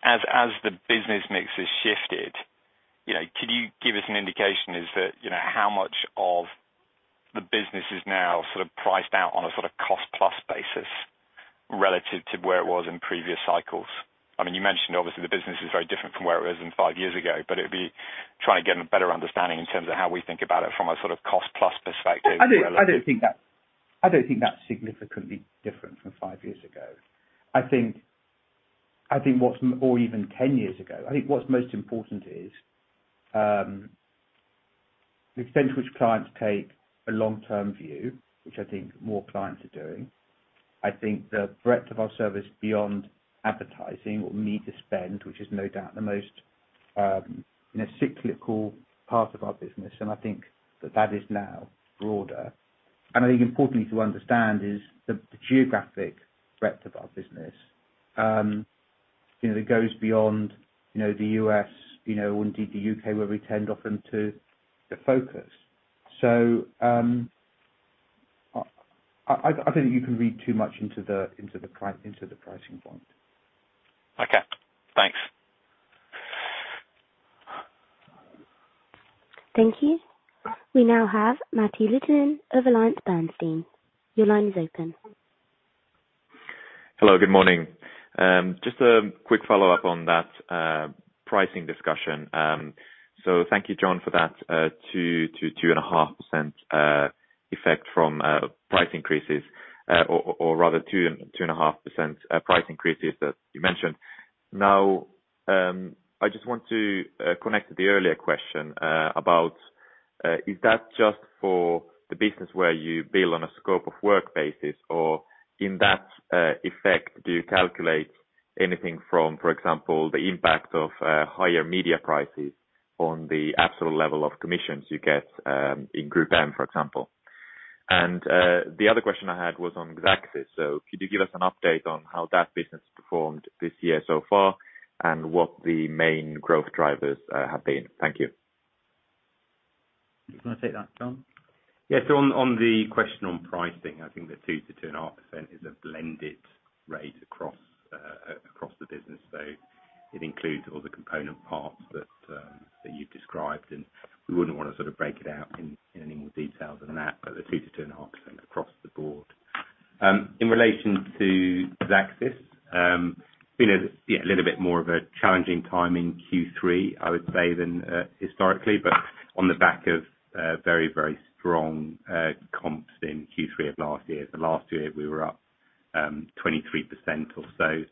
as the business mix has shifted, you know, could you give us an indication as to, you know, how much of the business is now sort of priced out on a sort of cost plus basis relative to where it was in previous cycles? I mean, you mentioned obviously the business is very different from where it was five years ago, but I'd be trying to get a better understanding in terms of how we think about it from a sort of cost plus perspective. I don't think that's significantly different from five years ago or even ten years ago. I think what's most important is the extent to which clients take a long-term view, which I think more clients are doing. I think the breadth of our service beyond advertising or media spend, which is no doubt the most, you know, cyclical part of our business, and I think that is now broader. I think importantly to understand is the geographic breadth of our business. You know, that goes beyond, you know, the U.S., you know, or indeed the U.K., where we tend often to focus. I don't think you can read too much into the pricing point. Okay, thanks. Thank you. We now have Matti Littunen of AllianceBernstein. Your line is open. Hello, good morning. Just a quick follow-up on that pricing discussion. So thank you, John, for that 2%-2.5% effect from price increases, or rather 2%-2.5% price increases that you mentioned. Now, I just want to connect to the earlier question about is that just for the business where you bill on a scope of work basis? Or in that effect, do you calculate anything from, for example, the impact of higher media prices on the absolute level of commissions you get in GroupM, for example? The other question I had was on Xaxis. So could you give us an update on how that business performed this year so far, and what the main growth drivers have been? Thank you. Do you wanna take that, John? On the question on pricing, I think the 2%-2.5% is a blended rate across the business. It includes all the component parts that you've described, and we wouldn't wanna sort of break it out in any more detail than that, but the 2%-2.5% across the board. In relation to Xaxis, it's been a little bit more of a challenging time in Q3, I would say, than historically, but on the back of very, very strong comps in Q3 of last year. Last year, we were up 23% or so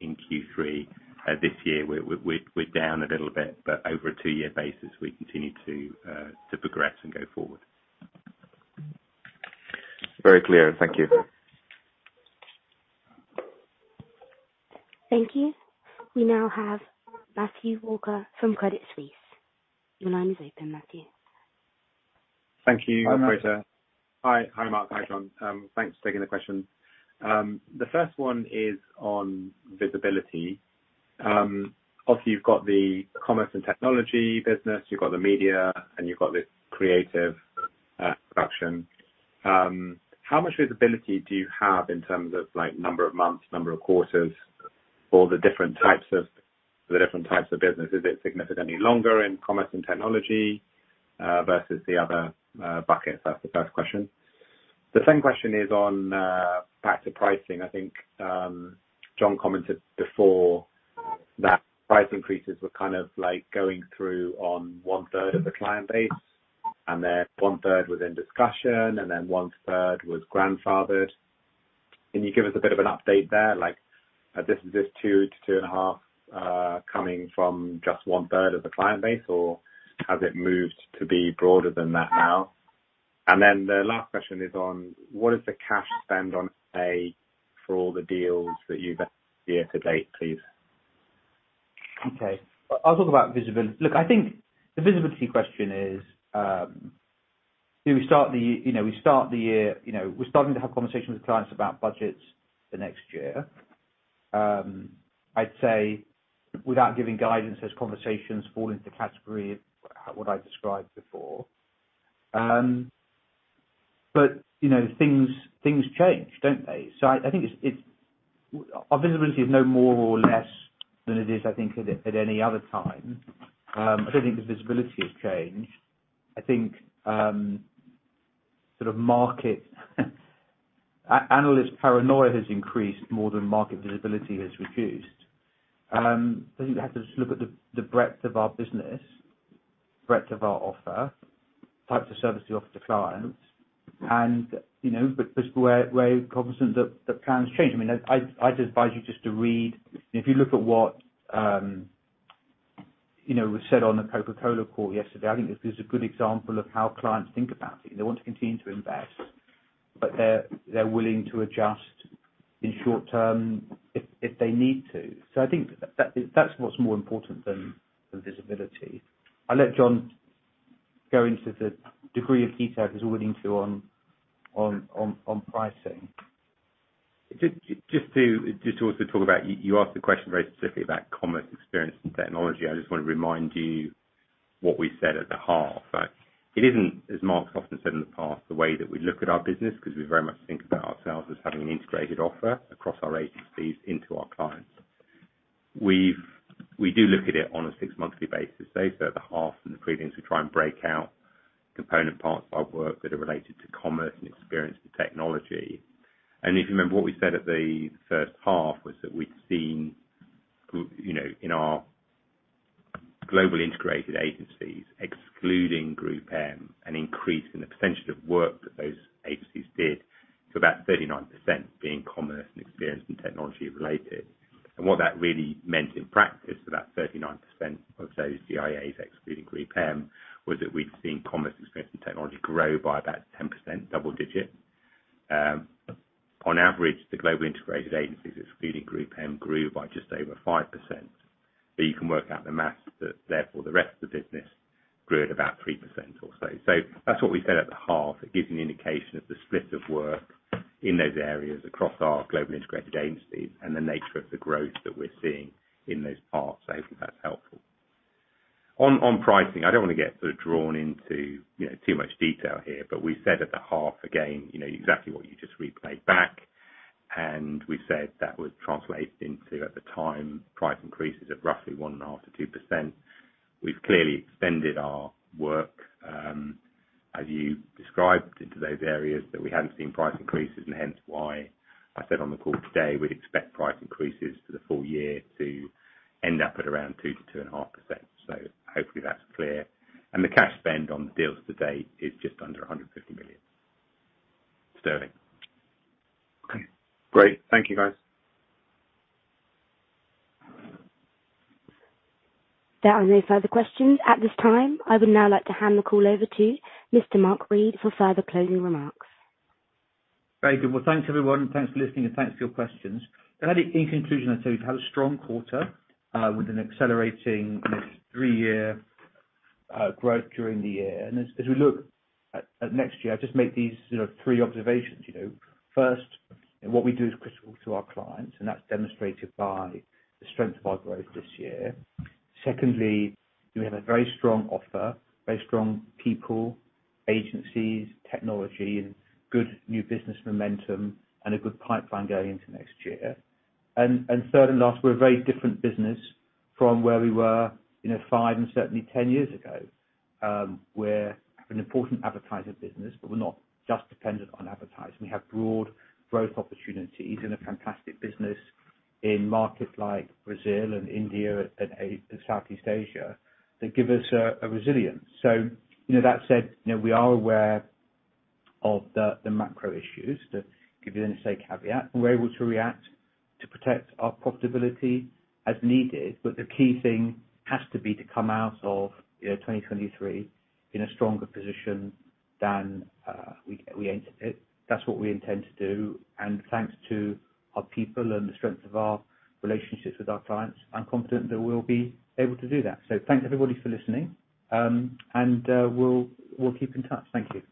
in Q3. This year we're down a little bit, but over a two-year basis, we continue to progress and go forward. Very clear. Thank you. Thank you. We now have Matthew Walker from Credit Suisse. Your line is open, Matthew. Thank you, operator. Hi, Matt. Hi. Hi, Mark. Hi, John. Thanks for taking the question. The first one is on visibility. Obviously you've got the commerce and technology business, you've got the media, and you've got this creative production. How much visibility do you have in terms of, like, number of months, number of quarters for the different types of businesses? Is it significantly longer in commerce and technology versus the other buckets? That's the first question. The second question is on factor pricing. I think John commented before that price increases were kind of, like, going through on one third of the client base, and then one third was in discussion, and then one third was grandfathered. Can you give us a bit of an update there, like, this is just 2% to 2.5%, coming from just one third of the client base, or has it moved to be broader than that now? Then the last question is on what is the cash spend on, say, for all the deals that you've done year to date, please? Okay. I'll talk about visibility. Look, I think the visibility question is, you know, we start the year, you know, we're starting to have conversations with clients about budgets for next year. I'd say, without giving guidance, those conversations fall into the category of what I described before. You know, things change, don't they? I think it's our visibility is no more or less than it is, I think, at any other time. I don't think the visibility has changed. I think sort of market analyst paranoia has increased more than market visibility has reduced. You have to just look at the breadth of our business, breadth of our offer, types of service we offer to clients and, you know, just we're cognizant that plans change. I mean, I'd advise you just to read. If you look at what, you know, was said on the Coca-Cola call yesterday, I think this is a good example of how clients think about it. They want to continue to invest, but they're willing to adjust in short term if they need to. I think that's what's more important than visibility. I'll let John go into the degree of detail he's willing to, on pricing. Just to also talk about. You asked the question very specifically about commerce experience and technology. I just wanna remind you what we said at the half. It isn't, as Mark has often said in the past, the way that we look at our business, 'cause we very much think about ourselves as having an integrated offer across our agencies into our clients. We do look at it on a six-monthly basis, so at the half and the previous, we try and break out component parts of our work that are related to commerce and experience with technology. If you remember what we said at the first half was that we'd seen you know, in our globally integrated agencies, excluding GroupM, an increase in the percentage of work that those agencies did to about 39% being commerce and experience and technology related. What that really meant in practice for that 39% of those GIAs excluding GroupM, was that we'd seen commerce experience and technology grow by about 10%, double digit. On average, the global integrated agencies excluding GroupM grew by just over 5%. You can work out the math that therefore the rest of the business grew at about 3% or so. That's what we said at the half. It gives an indication of the split of work in those areas across our global integrated agencies and the nature of the growth that we're seeing in those parts. Hopefully that's helpful. On pricing, I don't wanna get sort of drawn into, you know, too much detail here, but we said at the half again, you know, exactly what you just replayed back, and we said that would translate into, at the time, price increases of roughly 1.5%-2%. We've clearly extended our work, as you described, into those areas, but we haven't seen price increases, and hence why I said on the call today, we'd expect price increases for the full year to end up at around 2%-2.5%. Hopefully that's clear. The cash spend on the deals to date is just under 150 million sterling. Okay. Great. Thank you, guys. There are no further questions at this time. I would now like to hand the call over to Mr. Mark Read for further closing remarks. Very good. Well, thanks everyone, thanks for listening, and thanks for your questions. I think in conclusion, I'd say we've had a strong quarter with an accelerating kind of three-year growth during the year. As we look at next year, I'd just make these, you know, three observations. You know, first, what we do is critical to our clients, and that's demonstrated by the strength of our growth this year. Secondly, we have a very strong offer, very strong people, agencies, technology, and good new business momentum and a good pipeline going into next year. Third and last, we're a very different business from where we were, you know, five and certainly ten years ago. We're an important advertiser business, but we're not just dependent on advertising. We have broad growth opportunities and a fantastic business in markets like Brazil and India and Southeast Asia that give us resilience. You know, that said, you know, we are aware of the macro issues. To give you an easy caveat, we're able to react to protect our profitability as needed, but the key thing has to be to come out of, you know, 2023 in a stronger position. That's what we intend to do. Thanks to our people and the strength of our relationships with our clients, I'm confident that we'll be able to do that. Thanks everybody for listening, and we'll keep in touch. Thank you.